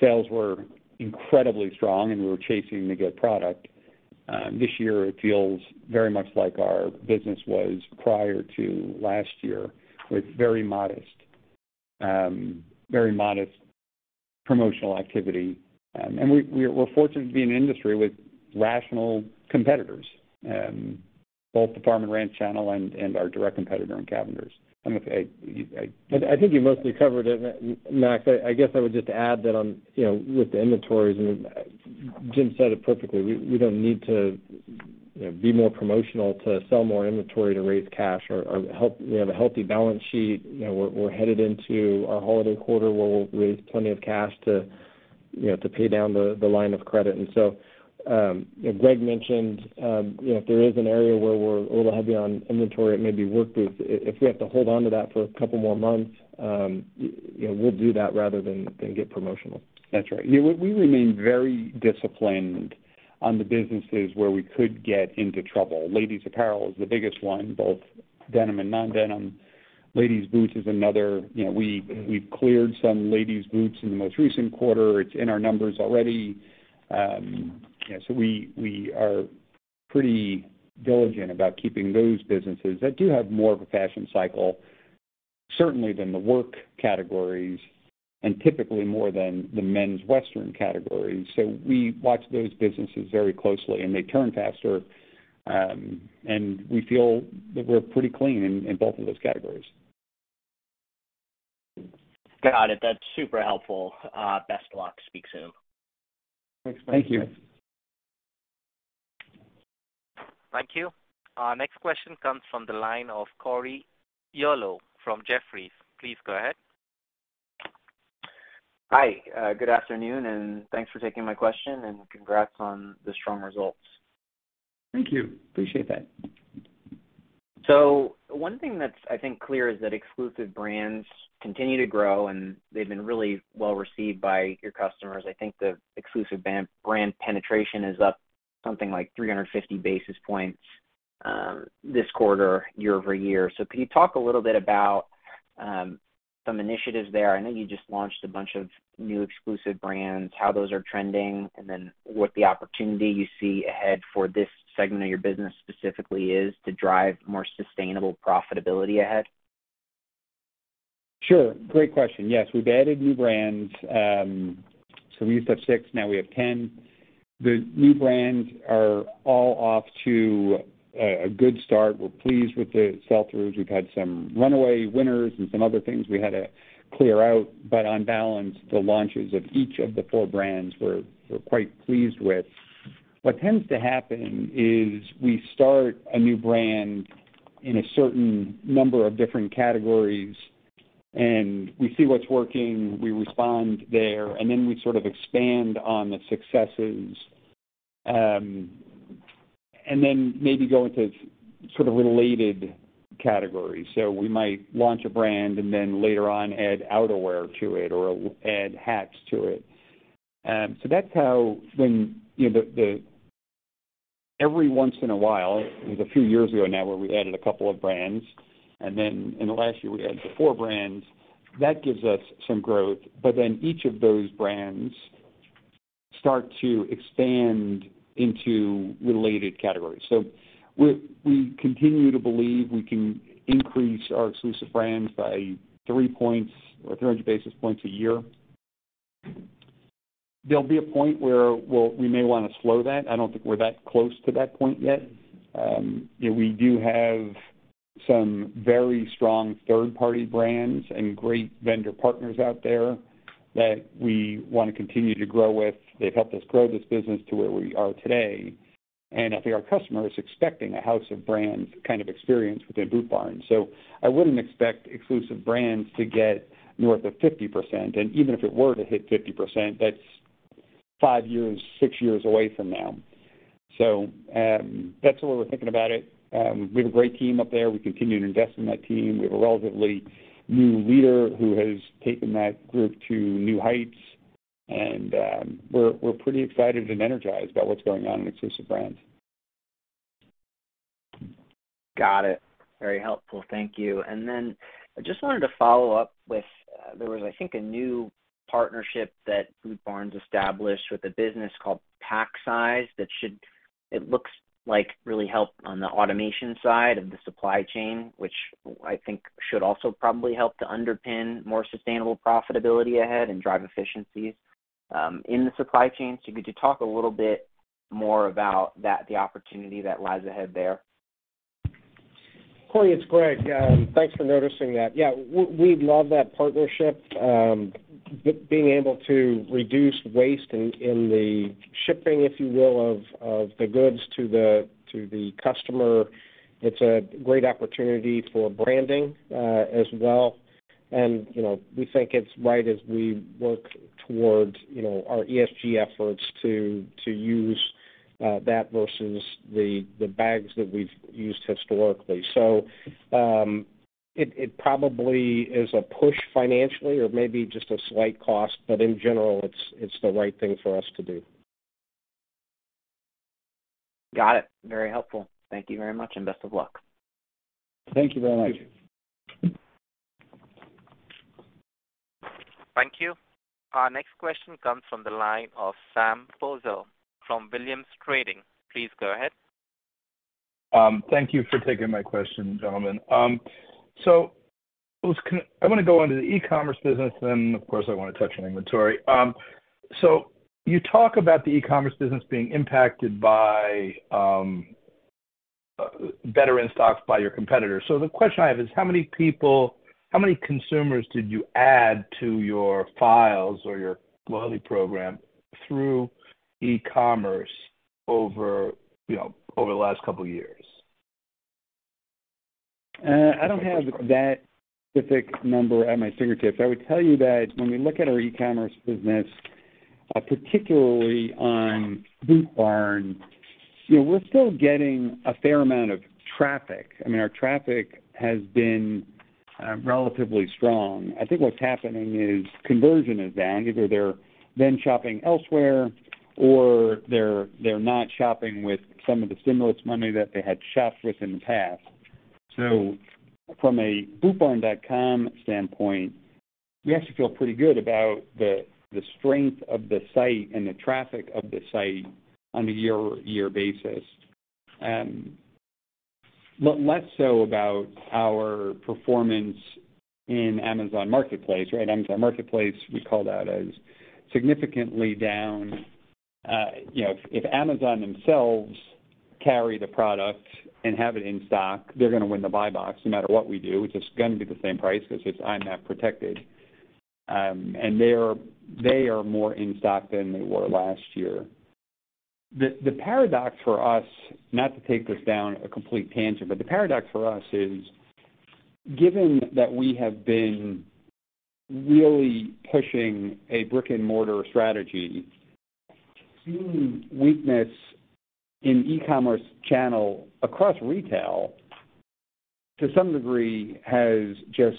sales were incredibly strong, and we were chasing to get product. This year it feels very much like our business was prior to last year, with very modest promotional activity. We're fortunate to be in an industry with rational competitors, both the farm and ranch channel and our direct competitor in Cavender's. I think you mostly covered it, Max. I guess I would just add that on, you know, with the inventories, and Jim said it perfectly. We don't need to, you know, be more promotional to sell more inventory to raise cash. We have a healthy balance sheet. You know, we're headed into our holiday quarter where we'll raise plenty of cash to, you know, pay down the line of credit. Greg mentioned, you know, if there is an area where we're a little heavy on inventory, it may be work boots. If we have to hold on to that for a couple more months, you know, we'll do that rather than get promotional. That's right. You know, we remain very disciplined on the businesses where we could get into trouble. Ladies apparel is the biggest one, both denim and non-denim. Ladies boots is another. You know, we've cleared some ladies boots in the most recent quarter. It's in our numbers already. You know, we are pretty diligent about keeping those businesses that do have more of a fashion cycle, certainly than the work categories and typically more than the men's western categories. We watch those businesses very closely, and they turn faster. We feel that we're pretty clean in both of those categories. Got it. That's super helpful. Best luck. Speak soon. Thanks. Thank you. Thank you. Our next question comes from the line of Corey Tarlowe from Jefferies. Please go ahead. Hi. Good afternoon, and thanks for taking my question, and congrats on the strong results. Thank you. Appreciate that. One thing that's I think clear is that exclusive brands continue to grow, and they've been really well received by your customers. I think the exclusive brand penetration is up something like 350 basis points this quarter, year over year. Can you talk a little bit about some initiatives there? I know you just launched a bunch of new exclusive brands, how those are trending, and then what the opportunity you see ahead for this segment of your business specifically is to drive more sustainable profitability ahead. Sure. Great question. Yes, we've added new brands. We used to have six, now we have 10. The new brands are all off to a good start. We're pleased with the sell-throughs. We've had some runaway winners and some other things we had to clear out. On balance, the launches of each of the four brands we're quite pleased with. What tends to happen is we start a new brand in a certain number of different categories, and we see what's working, we respond there, and then we sort of expand on the successes, and then maybe go into sort of related categories. We might launch a brand and then later on add outerwear to it or add hats to it. That's how when, you know, every once in a while, it was a few years ago now, where we added a couple of brands, and then in the last year, we added four brands. That gives us some growth. Then each of those brands start to expand into related categories. We continue to believe we can increase our exclusive brands by 3 points or 300 basis points a year. There'll be a point where we may want to slow that. I don't think we're that close to that point yet. Yeah, we do have some very strong third-party brands and great vendor partners out there that we want to continue to grow with. They've helped us grow this business to where we are today. I think our customer is expecting a house of brands kind of experience within Boot Barn. I wouldn't expect exclusive brands to get north of 50%. Even if it were to hit 50%, that's five years, six years away from now. That's the way we're thinking about it. We have a great team up there. We continue to invest in that team. We have a relatively new leader who has taken that group to new heights, and we're pretty excited and energized about what's going on in exclusive brands. Got it. Very helpful. Thank you. I just wanted to follow up with there was, I think, a new partnership that Boot Barn established with a business called Packsize that it looks like really help on the automation side of the supply chain, which I think should also probably help to underpin more sustainable profitability ahead and drive efficiencies in the supply chain. Could you talk a little bit more about that, the opportunity that lies ahead there? Cory, it's Greg. Thanks for noticing that. Yeah, we love that partnership. Being able to reduce waste in the shipping, if you will, of the goods to the customer. It's a great opportunity for branding, as well. You know, we think it's right as we work towards, you know, our ESG efforts to use that versus the bags that we've used historically. It probably is a push financially or maybe just a slight cost, but in general, it's the right thing for us to do. Got it. Very helpful. Thank you very much, and best of luck. Thank you very much. Thank you. Our next question comes from the line of Sam Poser from Williams Trading. Please go ahead. Thank you for taking my question, gentlemen. I want to go on to the e-commerce business, and then, of course, I want to touch on inventory. You talk about the e-commerce business being impacted by better in-stocks by your competitors. The question I have is how many consumers did you add to your files or your loyalty program through e-commerce over, you know, over the last couple of years? I don't have that specific number at my fingertips. I would tell you that when we look at our e-commerce business, particularly on Boot Barn, you know, we're still getting a fair amount of traffic. I mean, our traffic has been relatively strong. I think what's happening is conversion is down. Either they're then shopping elsewhere, or they're not shopping with some of the stimulus money that they had shopped with in the past. From a bootbarn.com standpoint, we actually feel pretty good about the strength of the site and the traffic of the site on a year-over-year basis. Less so about our performance in Amazon Marketplace, right? Amazon Marketplace, we call that as significantly down. You know, if Amazon themselves carry the product and have it in stock, they're gonna win the buy box no matter what we do. It's just gonna be the same price because it's IMAP protected. They are more in stock than they were last year. The paradox for us, not to take this down a complete tangent, but the paradox for us is, given that we have been really pushing a brick-and-mortar strategy, seeing weakness in e-commerce channel across retail, to some degree, has just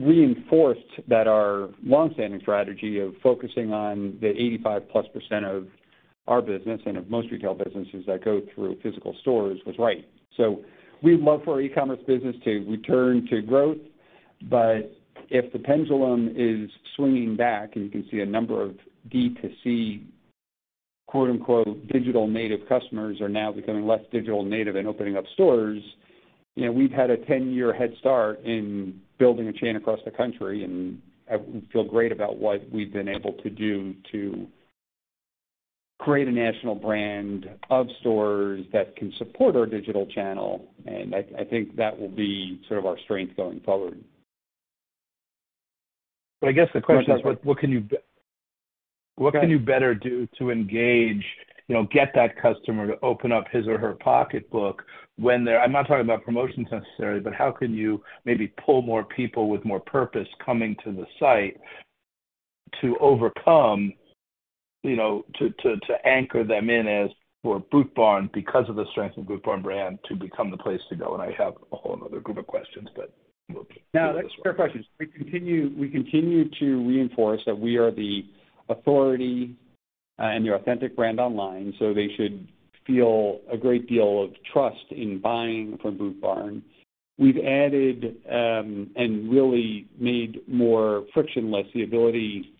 reinforced that our long-standing strategy of focusing on the 85%+ of our business and of most retail businesses that go through physical stores was right. We'd love for our e-commerce business to return to growth. If the pendulum is swinging back and you can see a number of D2C, quote-unquote, digital native customers are now becoming less digital native and opening up stores, you know, we've had a 10-year head start in building a chain across the country, and we feel great about what we've been able to do to create a national brand of stores that can support our digital channel. I think that will be sort of our strength going forward. I guess the question is what can you better do to engage, you know, get that customer to open up his or her pocketbook when they're. I'm not talking about promotions necessarily, but how can you maybe pull more people with more purpose coming to the site to overcome, you know, to anchor them in as for Boot Barn because of the strength of Boot Barn brand to become the place to go? I have a whole other group of questions, but we'll. No, that's a fair question. We continue to reinforce that we are the authority and the authentic brand online, so they should feel a great deal of trust in buying from Boot Barn. We've added and really made more frictionless the ability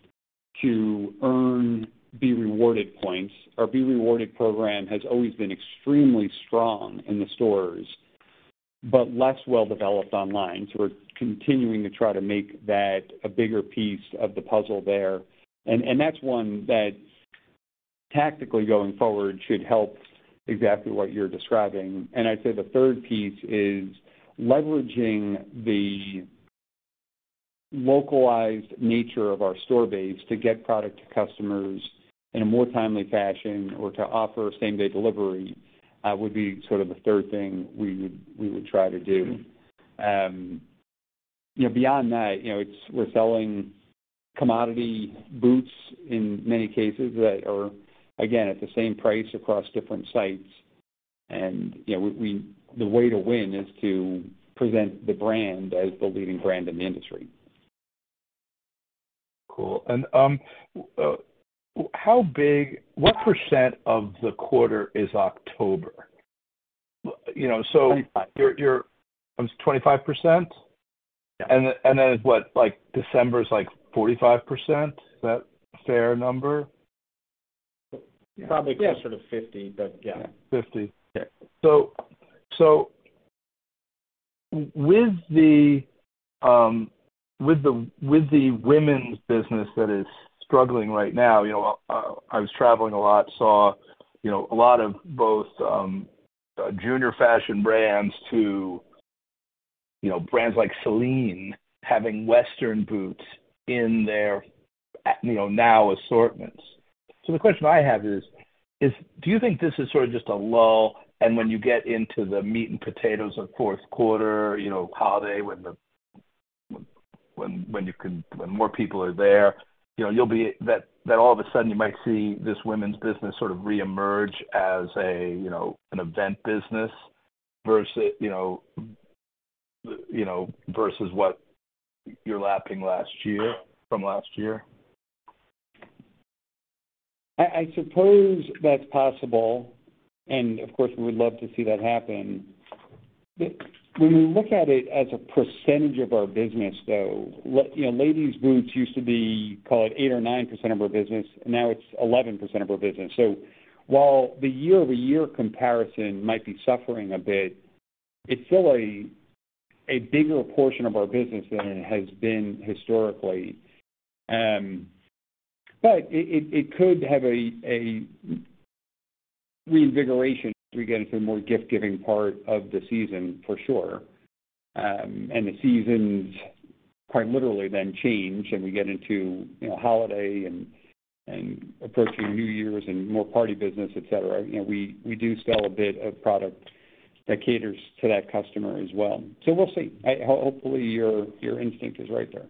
to earn B Rewarded points. Our B Rewarded program has always been extremely strong in the stores, but less well developed online. We're continuing to try to make that a bigger piece of the puzzle there. That's one that tactically going forward should help exactly what you're describing. I'd say the third piece is leveraging the localized nature of our store base to get product to customers in a more timely fashion or to offer same-day delivery would be sort of a third thing we would try to do. You know, beyond that, you know, we're selling commodity boots in many cases that are, again, at the same price across different sites. You know, the way to win is to present the brand as the leading brand in the industry. Cool. What percent of the quarter is October? You know, so- 25%. Your 25%? Yeah. What? Like, December is like 45%. Is that fair number? Probably closer to 50%, but yeah. 50%. Yeah. With the women's business that is struggling right now, you know, I was traveling a lot, saw, you know, a lot of both junior fashion brands to, you know, brands like Celine having Western boots in their, you know, now assortments. The question I have is, do you think this is sort of just a lull, and when you get into the meat and potatoes of fourth quarter, you know, holiday when more people are there, you know, you'll be that all of a sudden you might see this women's business sort of reemerge as a, you know, an event business versus, you know, versus what you're lapping last year from last year. I suppose that's possible, and of course, we would love to see that happen. When we look at it as a percentage of our business, though, you know, ladies boots used to be, call it 8% or 9% of our business, now it's 11% of our business. While the year-over-year comparison might be suffering a bit, it's still a bigger portion of our business than it has been historically. But it could have a reinvigoration as we get into a more gift-giving part of the season for sure. The seasons quite literally then change, and we get into, you know, holiday and approaching New Year's and more party business, et cetera. You know, we do sell a bit of product that caters to that customer as well. We'll see. Hopefully, your instinct is right there.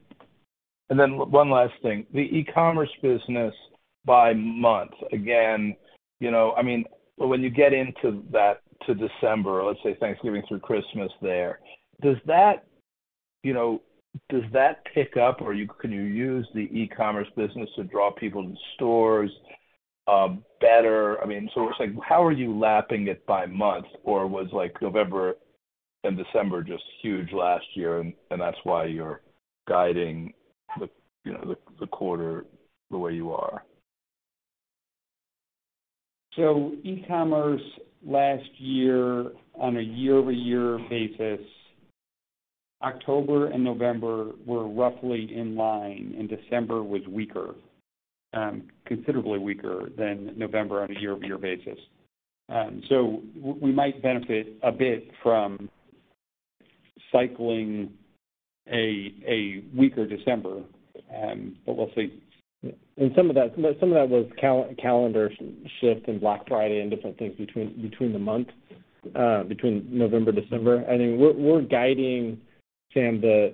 One last thing. The e-commerce business by month. Again, you know, I mean, when you get into that to December, let's say Thanksgiving through Christmas there, does that, you know, does that pick up or can you use the e-commerce business to draw people into stores better? I mean, so it's like, how are you lapping it by month? Was like November and December just huge last year and that's why you're guiding the, you know, the quarter the way you are? E-commerce last year on a year-over-year basis, October and November were roughly in line, and December was weaker, considerably weaker than November on a year-over-year basis. We might benefit a bit from cycling a weaker December, but we'll see. Some of that was calendar shift and Black Friday and different things between the months, between November and December. I mean, we're guiding, Sam, the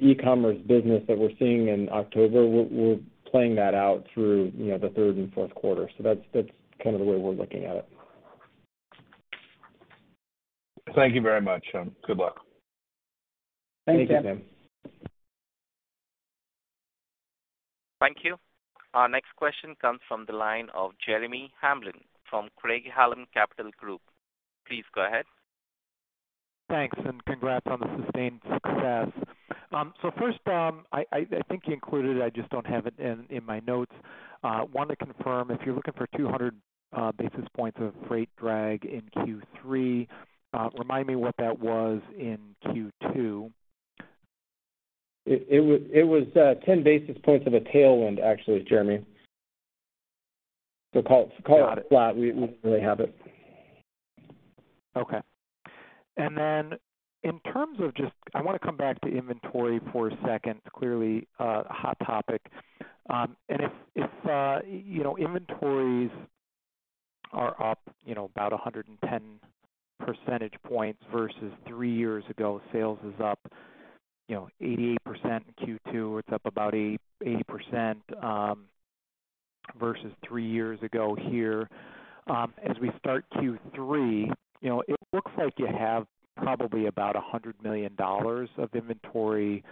e-commerce business that we're seeing in October. We're playing that out through, you know, the third and fourth quarter. That's kind of the way we're looking at it. Thank you very much. Good luck. Thank you. Thank you, Sam. Thank you. Our next question comes from the line of Jeremy Hamblin from Craig-Hallum Capital Group. Please go ahead. Thanks and congrats on the sustained success. First, I think you included it. I just don't have it in my notes. Wanted to confirm if you're looking for 200 basis points of freight drag in Q3. Remind me what that was in Q2. It was 10 basis points of a tailwind, actually, Jeremy. Call it flat. We really have it. Okay. I want to come back to inventory for a second. Clearly a hot topic. You know, inventories are up, you know, about 110 percentage points versus three years ago. Sales is up, you know, 88% in Q2. It's up about 80% versus three years ago here. As we start Q3, you know, it looks like you have probably about $100 million of inventory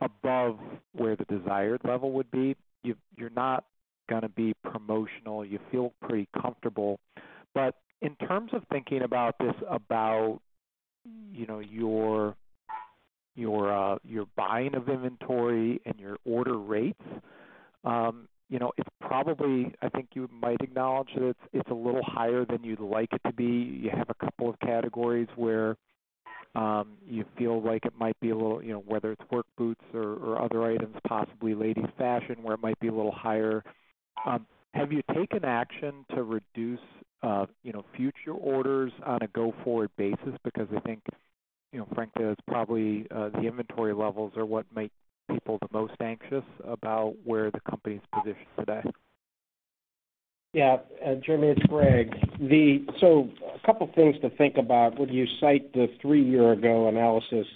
above where the desired level would be. You're not gonna be promotional. You feel pretty comfortable. In terms of thinking about this, you know, your buying of inventory and your order rates, you know, it's probably. I think you might acknowledge that it's a little higher than you'd like it to be. You have a couple of categories where, you feel like it might be a little, you know, whether it's work boots or other items, possibly ladies fashion, where it might be a little higher. Have you taken action to reduce, you know, future orders on a go-forward basis? Because I think, you know, frankly, that's probably, the inventory levels are what make people the most anxious about where the company's positioned today. Yeah. Jimmy, it's Greg. A couple things to think about when you cite the three years ago analysis.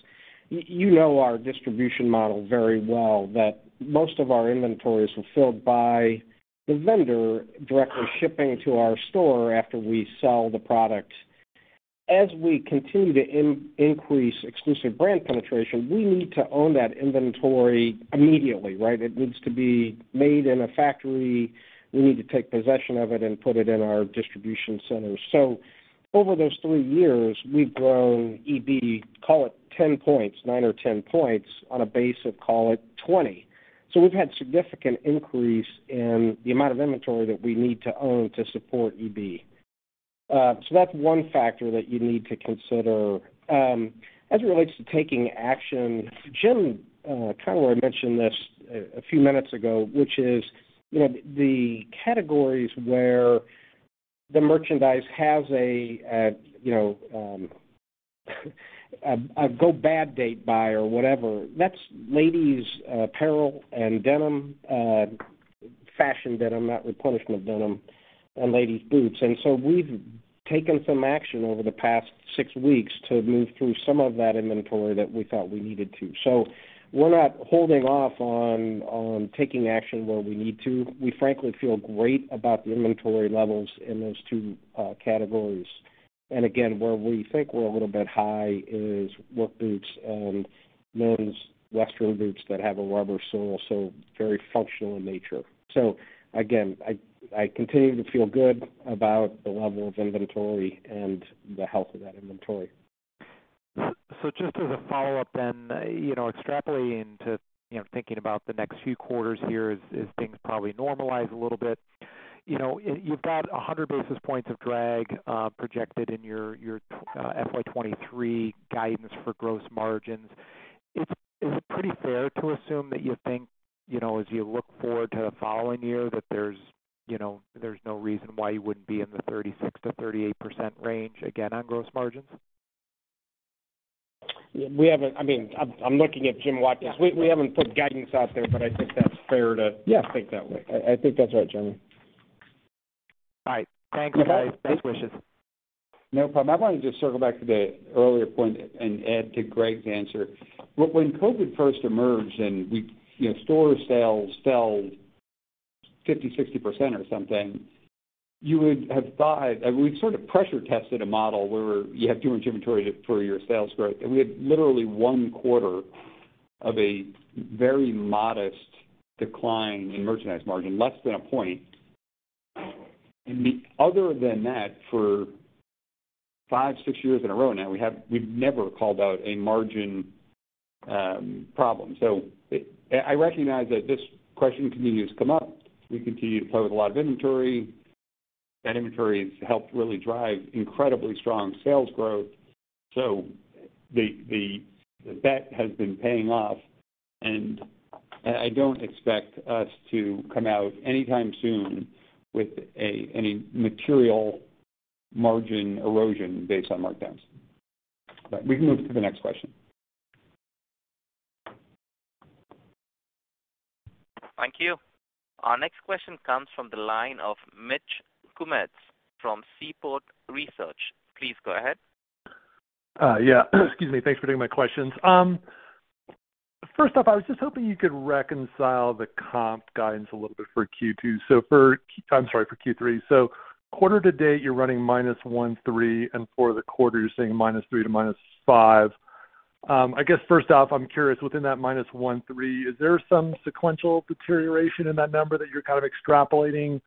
You know our distribution model very well, that most of our inventories were filled by the vendor directly shipping to our store after we sell the product. As we continue to increase exclusive brand penetration, we need to own that inventory immediately, right? It needs to be made in a factory. We need to take possession of it and put it in our distribution center. Over those three years, we've grown EB, call it 10 points, 9 or 10 points on a base of call it 20. We've had significant increase in the amount of inventory that we need to own to support EB. That's one factor that you need to consider. As it relates to taking action, Jim, kind of already mentioned this a few minutes ago, which is, you know, the categories where the merchandise has a go-bad date by or whatever. That's ladies apparel and denim, fashion denim, not replenishment denim, and ladies boots. We've taken some action over the past six weeks to move through some of that inventory that we thought we needed to. We're not holding off on taking action where we need to. We frankly feel great about the inventory levels in those two categories. Again, where we think we're a little bit high is work boots and men's western boots that have a rubber sole, so very functional in nature. Again, I continue to feel good about the level of inventory and the health of that inventory. Just as a follow-up then, you know, extrapolating to, you know, thinking about the next few quarters here as things probably normalize a little bit. You know, you've got 100 basis points of drag projected in your FY 2023 guidance for gross margins. Is it pretty fair to assume that you think, you know, as you look forward to the following year, that there's no reason why you wouldn't be in the 36% to 38% range again on gross margins? I mean, I'm looking at Jim Watkins. We haven't put guidance out there, but I think that's fair to- Yeah. think that way. I think that's right, Jimmy. All right. Thanks, guys. Best wishes. No problem. I want to just circle back to the earlier point and add to Greg's answer. When COVID first emerged and we you know, store sales fell 50, 60% or something, you would have thought we've sort of pressure tested a model where you have too much inventory for your sales growth. We had literally one quarter of a very modest decline in merchandise margin, less than a point. Other than that, for five, six years in a row now, we've never called out a margin problem. So I recognize that this question continues to come up. We continue to play with a lot of inventory. That inventory has helped really drive incredibly strong sales growth. The bet has been paying off, and I don't expect us to come out anytime soon with any material margin erosion based on markdowns. We can move to the next question. Thank you. Our next question comes from the line of Mitch Kummetz from Seaport Research. Please go ahead. Excuse me. Thanks for taking my questions. First off, I was just hoping you could reconcile the comp guidance a little bit for Q3. Quarter to date, you're running -1.3%, and for the quarter you're saying -3% to -5%. I guess first off, I'm curious, within that -1.3%, is there some sequential deterioration in that number that you're kind of extrapolating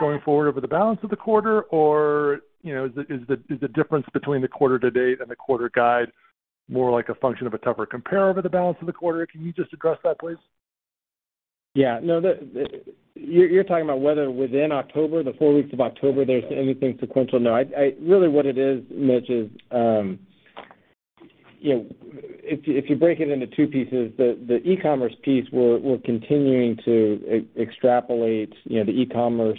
going forward over the balance of the quarter? Or, you know, is the difference between the quarter to date and the quarter guide more like a function of a tougher compare over the balance of the quarter? Can you just address that, please? Yeah. No. You're talking about whether within October, the four weeks of October, there's anything sequential? No. Really what it is, Mitch, is you know, if you break it into two pieces, the e-commerce piece, we're continuing to extrapolate, you know, the e-commerce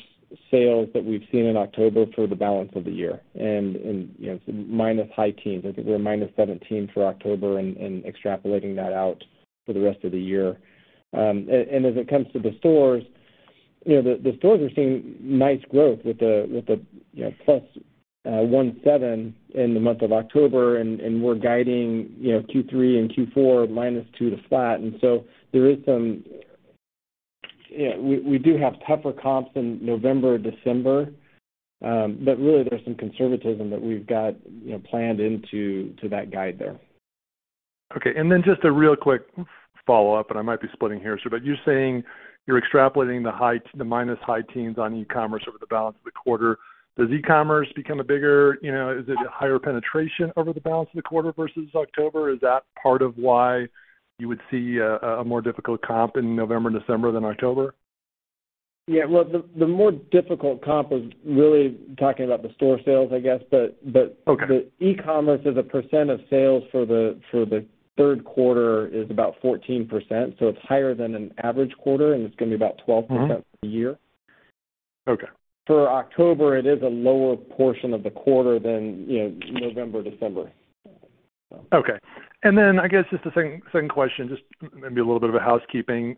sales that we've seen in October for the balance of the year. You know, minus high teens, I think we were -17% for October and extrapolating that out for the rest of the year. And as it comes to the stores, you know, the stores are seeing nice growth with the, you know, +1.7% in the month of October, and we're guiding, you know, Q3 and Q4 -2% to flat. There is some. You know, we do have tougher comps in November, December, but really there's some conservatism that we've got, you know, planned into that guide there. Okay, just a real quick follow-up, and I might be splitting hairs. You're saying you're extrapolating the minus high teens on e-commerce over the balance of the quarter. Does e-commerce become a bigger, you know, is it a higher penetration over the balance of the quarter versus October? Is that part of why you would see a more difficult comp in November and December than October? Yeah. Well, the more difficult comp was really talking about the store sales, I guess. Okay. The e-commerce as a percent of sales for the third quarter is about 14%, so it's higher than an average quarter, and it's gonna be about 12% for the year. Okay. For October, it is a lower portion of the quarter than, you know, November, December. Okay. I guess just a second question, just maybe a little bit of a housekeeping.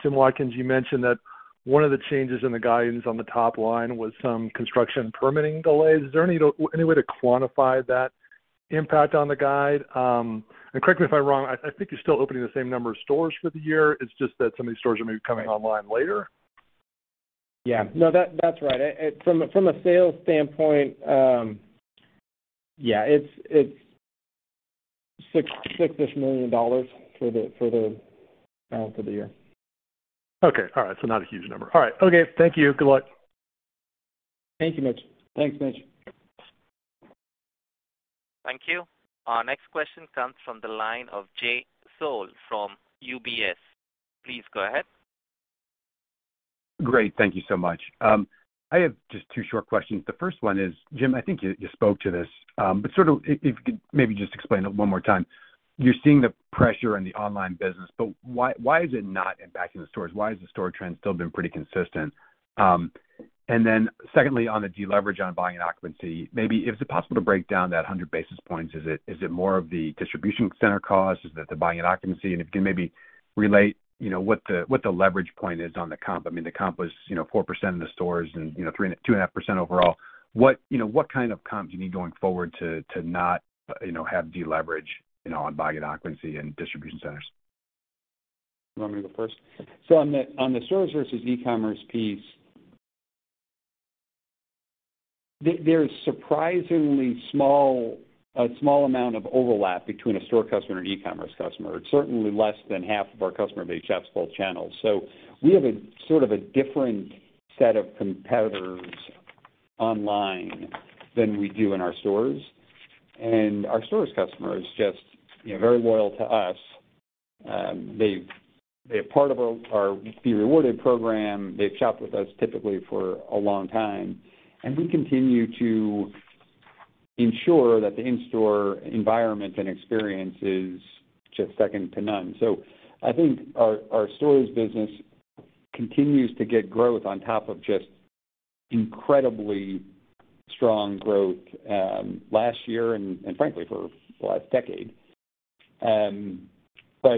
Jim Watkins, you mentioned that one of the changes in the guidance on the top line was some construction permitting delays. Is there any way to quantify that impact on the guide? Correct me if I'm wrong, I think you're still opening the same number of stores for the year. It's just that some of these stores are maybe coming online later. Yeah. No. That's right. From a sales standpoint, yeah, it's $6-ish million for the balance of the year. Okay. All right. Not a huge number. All right. Okay. Thank you. Good luck. Thank you, Mitch. Thanks, Mitch. Thank you. Our next question comes from the line of Jay Sole from UBS. Please go ahead. Great. Thank you so much. I have just two short questions. The first one is, Jim, I think you spoke to this, but sort of if you could maybe just explain it one more time. You're seeing the pressure in the online business, but why is it not impacting the stores? Why is the store trend still been pretty consistent? Then secondly, on the deleverage on buying occupancy, maybe is it possible to break down that 100 basis points? Is it more of the distribution center cost? Is it the buying occupancy? And if you can maybe relate, you know, what the leverage point is on the comp. I mean, the comp was, you know, 4% in the stores and, you know, 2.5% overall. You know, what kind of comps you need going forward to not, you know, have deleveraging, you know, on buying occupancy and distribution centers? You want me to go first? On the stores versus e-commerce piece, there's a surprisingly small amount of overlap between a store customer and e-commerce customer. It's certainly less than half of our customer base shops both channels. We have a sort of a different set of competitors online than we do in our stores. Our stores customer is just, you know, very loyal to us. They're part of our Be Rewarded program. They've shopped with us typically for a long time, and we continue to ensure that the in-store environment and experience is just second to none. I think our stores business continues to get growth on top of just incredibly strong growth last year and frankly for the last decade.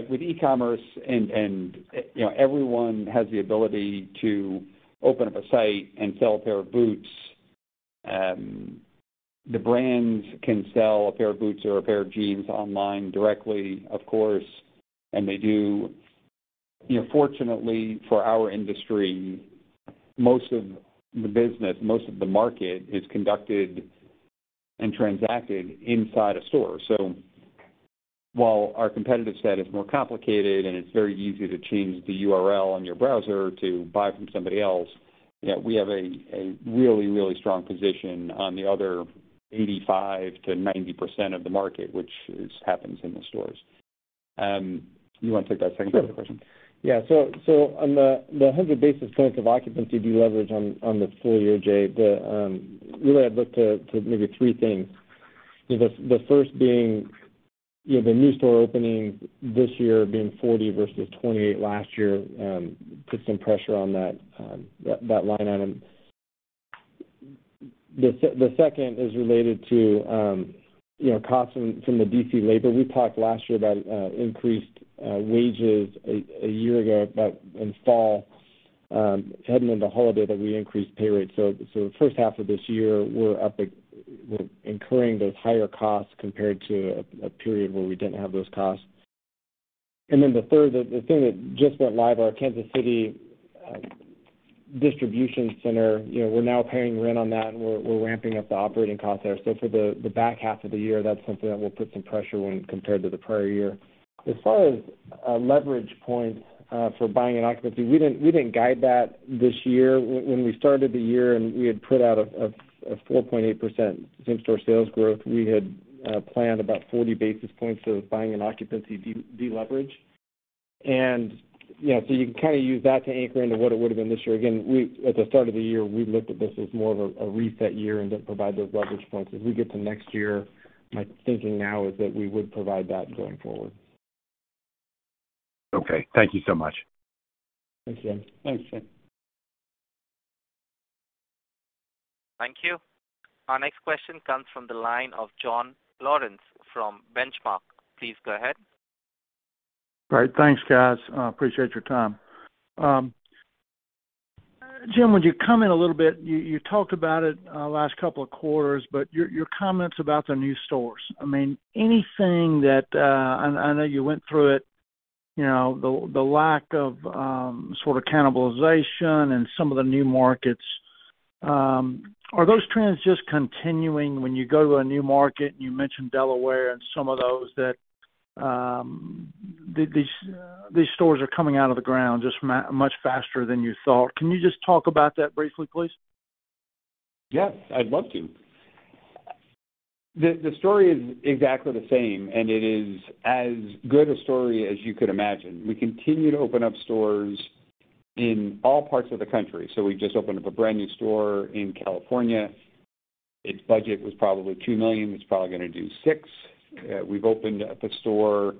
with e-commerce and you know everyone has the ability to open up a site and sell a pair of boots, the brands can sell a pair of boots or a pair of jeans online directly, of course, and they do. You know, fortunately for our industry, most of the business, most of the market is conducted and transacted inside a store. While our competitive set is more complicated and it's very easy to change the URL on your browser to buy from somebody else, you know, we have a really strong position on the other 85% to 90% of the market, which is happens in the stores. You wanna take that second part of the question? Sure. Yeah. On the 100 basis points of occupancy deleverage on the full year, Jay, really I'd look to maybe three things. You know, the first being the new store openings this year being 40 versus 28 last year put some pressure on that line item. The second is related to costs from the DC labor. We talked last year about increased wages a year ago, about in fall heading into holiday that we increased pay rates. The first half of this year, we're incurring those higher costs compared to a period where we didn't have those costs. The third thing that just went live, our Kansas City distribution center, you know, we're now paying rent on that, and we're ramping up the operating costs there. The back half of the year, that's something that will put some pressure when compared to the prior year. As far as a leverage point for buying and occupancy, we didn't guide that this year. When we started the year and we had put out a 4.8% same-store sales growth, we had planned about 40 basis points of buying and occupancy deleverage. You know, so you can kind of use that to anchor into what it would've been this year. Again, at the start of the year, we looked at this as more of a reset year and didn't provide those leverage points. As we get to next year, my thinking now is that we would provide that going forward. Okay. Thank you so much. Thank you. Thanks, Jim. Thank you. Our next question comes from the line of John Lawrence from Benchmark. Please go ahead. All right. Thanks, guys. I appreciate your time. Jim, would you comment a little bit, you talked about it last couple of quarters, but your comments about the new stores. I mean, anything that I know you went through it, you know, the lack of sort of cannibalization and some of the new markets. Are those trends just continuing when you go to a new market? You mentioned Delaware and some of those that the these stores are coming out of the ground just much faster than you thought. Can you just talk about that briefly, please? Yes, I'd love to. The story is exactly the same, and it is as good a story as you could imagine. We continue to open up stores in all parts of the country. We just opened up a brand new store in California. Its budget was probably $2 million. It's probably gonna do $6 million. We've opened up a few stores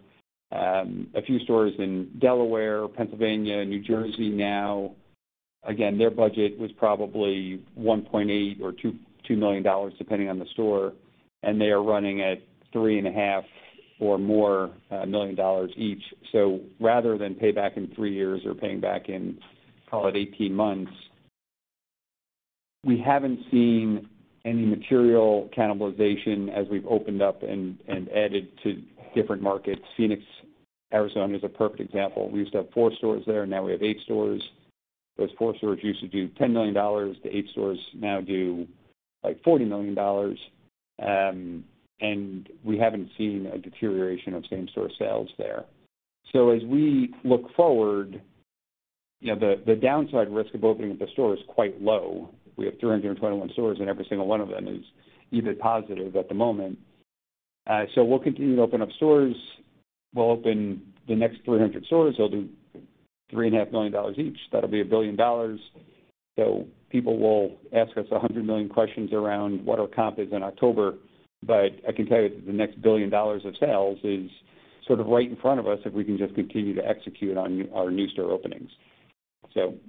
in Delaware, Pennsylvania, New Jersey now. Again, their budget was probably $1.8 or $2 million, depending on the store, and they are running at $3.5 or more million each. Rather than pay back in three years or paying back in, call it 18 months, we haven't seen any material cannibalization as we've opened up and added to different markets. Phoenix, Arizona is a perfect example. We used to have four stores there. Now we have eight stores. Those four stores used to do $10 million. The eight stores now do, like, $40 million. We haven't seen a deterioration of same-store sales there. As we look forward, you know, the downside risk of opening up a store is quite low. We have 321 stores, and every single one of them is EBIT positive at the moment. We'll continue to open up stores. We'll open the next 300 stores. They'll do $3.5 million each. That'll be $1 billion. People will ask us 100 million questions around what our comp is in October, but I can tell you that the next $1 billion of sales is sort of right in front of us if we can just continue to execute on our new store openings.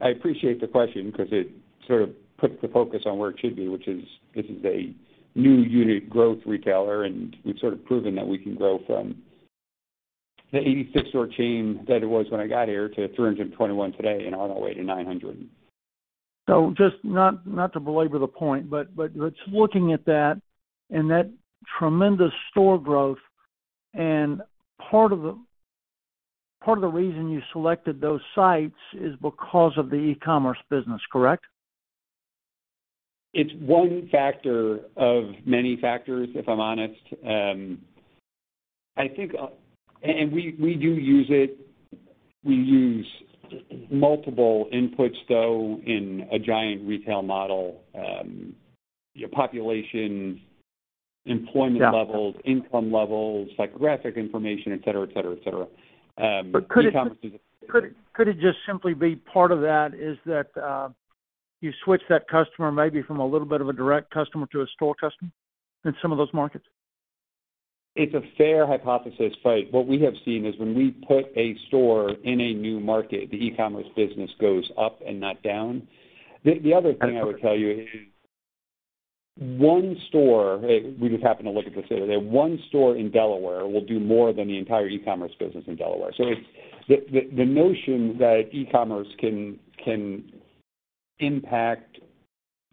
I appreciate the question because it sort of puts the focus on where it should be, which is this is a new-unit growth retailer, and we've sort of proven that we can grow from the 86-store chain that it was when I got here to 321 today and on our way to 900. Just not to belabor the point, but just looking at that and that tremendous store growth and part of the reason you selected those sites is because of the e-commerce business, correct? It's one factor of many factors, if I'm honest. I think we do use it. We use multiple inputs, though, in a giant retail model, population, employment levels. Yeah. Income levels, psychographic information, et cetera, et cetera, et cetera. E-commerce is- Could it just simply be part of that is that, you switched that customer maybe from a little bit of a direct customer to a store customer in some of those markets? It's a fair hypothesis, but what we have seen is when we put a store in a new market, the e-commerce business goes up and not down. The other thing I would tell you is one store, we just happened to look at this the other day, one store in Delaware will do more than the entire e-commerce business in Delaware. It's the notion that e-commerce can impact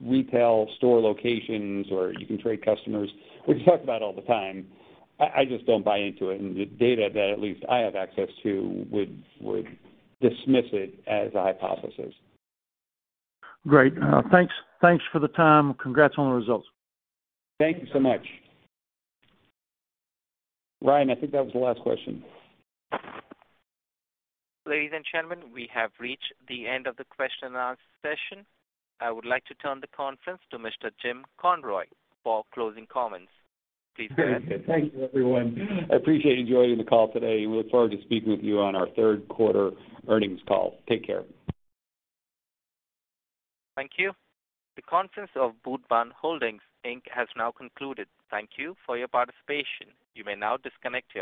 retail store locations or you can trade customers, which we talk about all the time. I just don't buy into it, and the data that at least I have access to would dismiss it as a hypothesis. Great. Thanks. Thanks for the time. Congrats on the results. Thank you so much. Ryan, I think that was the last question. Ladies and gentlemen, we have reached the end of the question and answer session. I would like to turn the conference to Mr. Jim Conroy for closing comments. Please go ahead. Great. Thank you, everyone. I appreciate you joining the call today. We look forward to speaking with you on our third quarter earnings call. Take care. Thank you. The conference of Boot Barn Holdings, Inc. has now concluded. Thank you for your participation. You may now disconnect your line.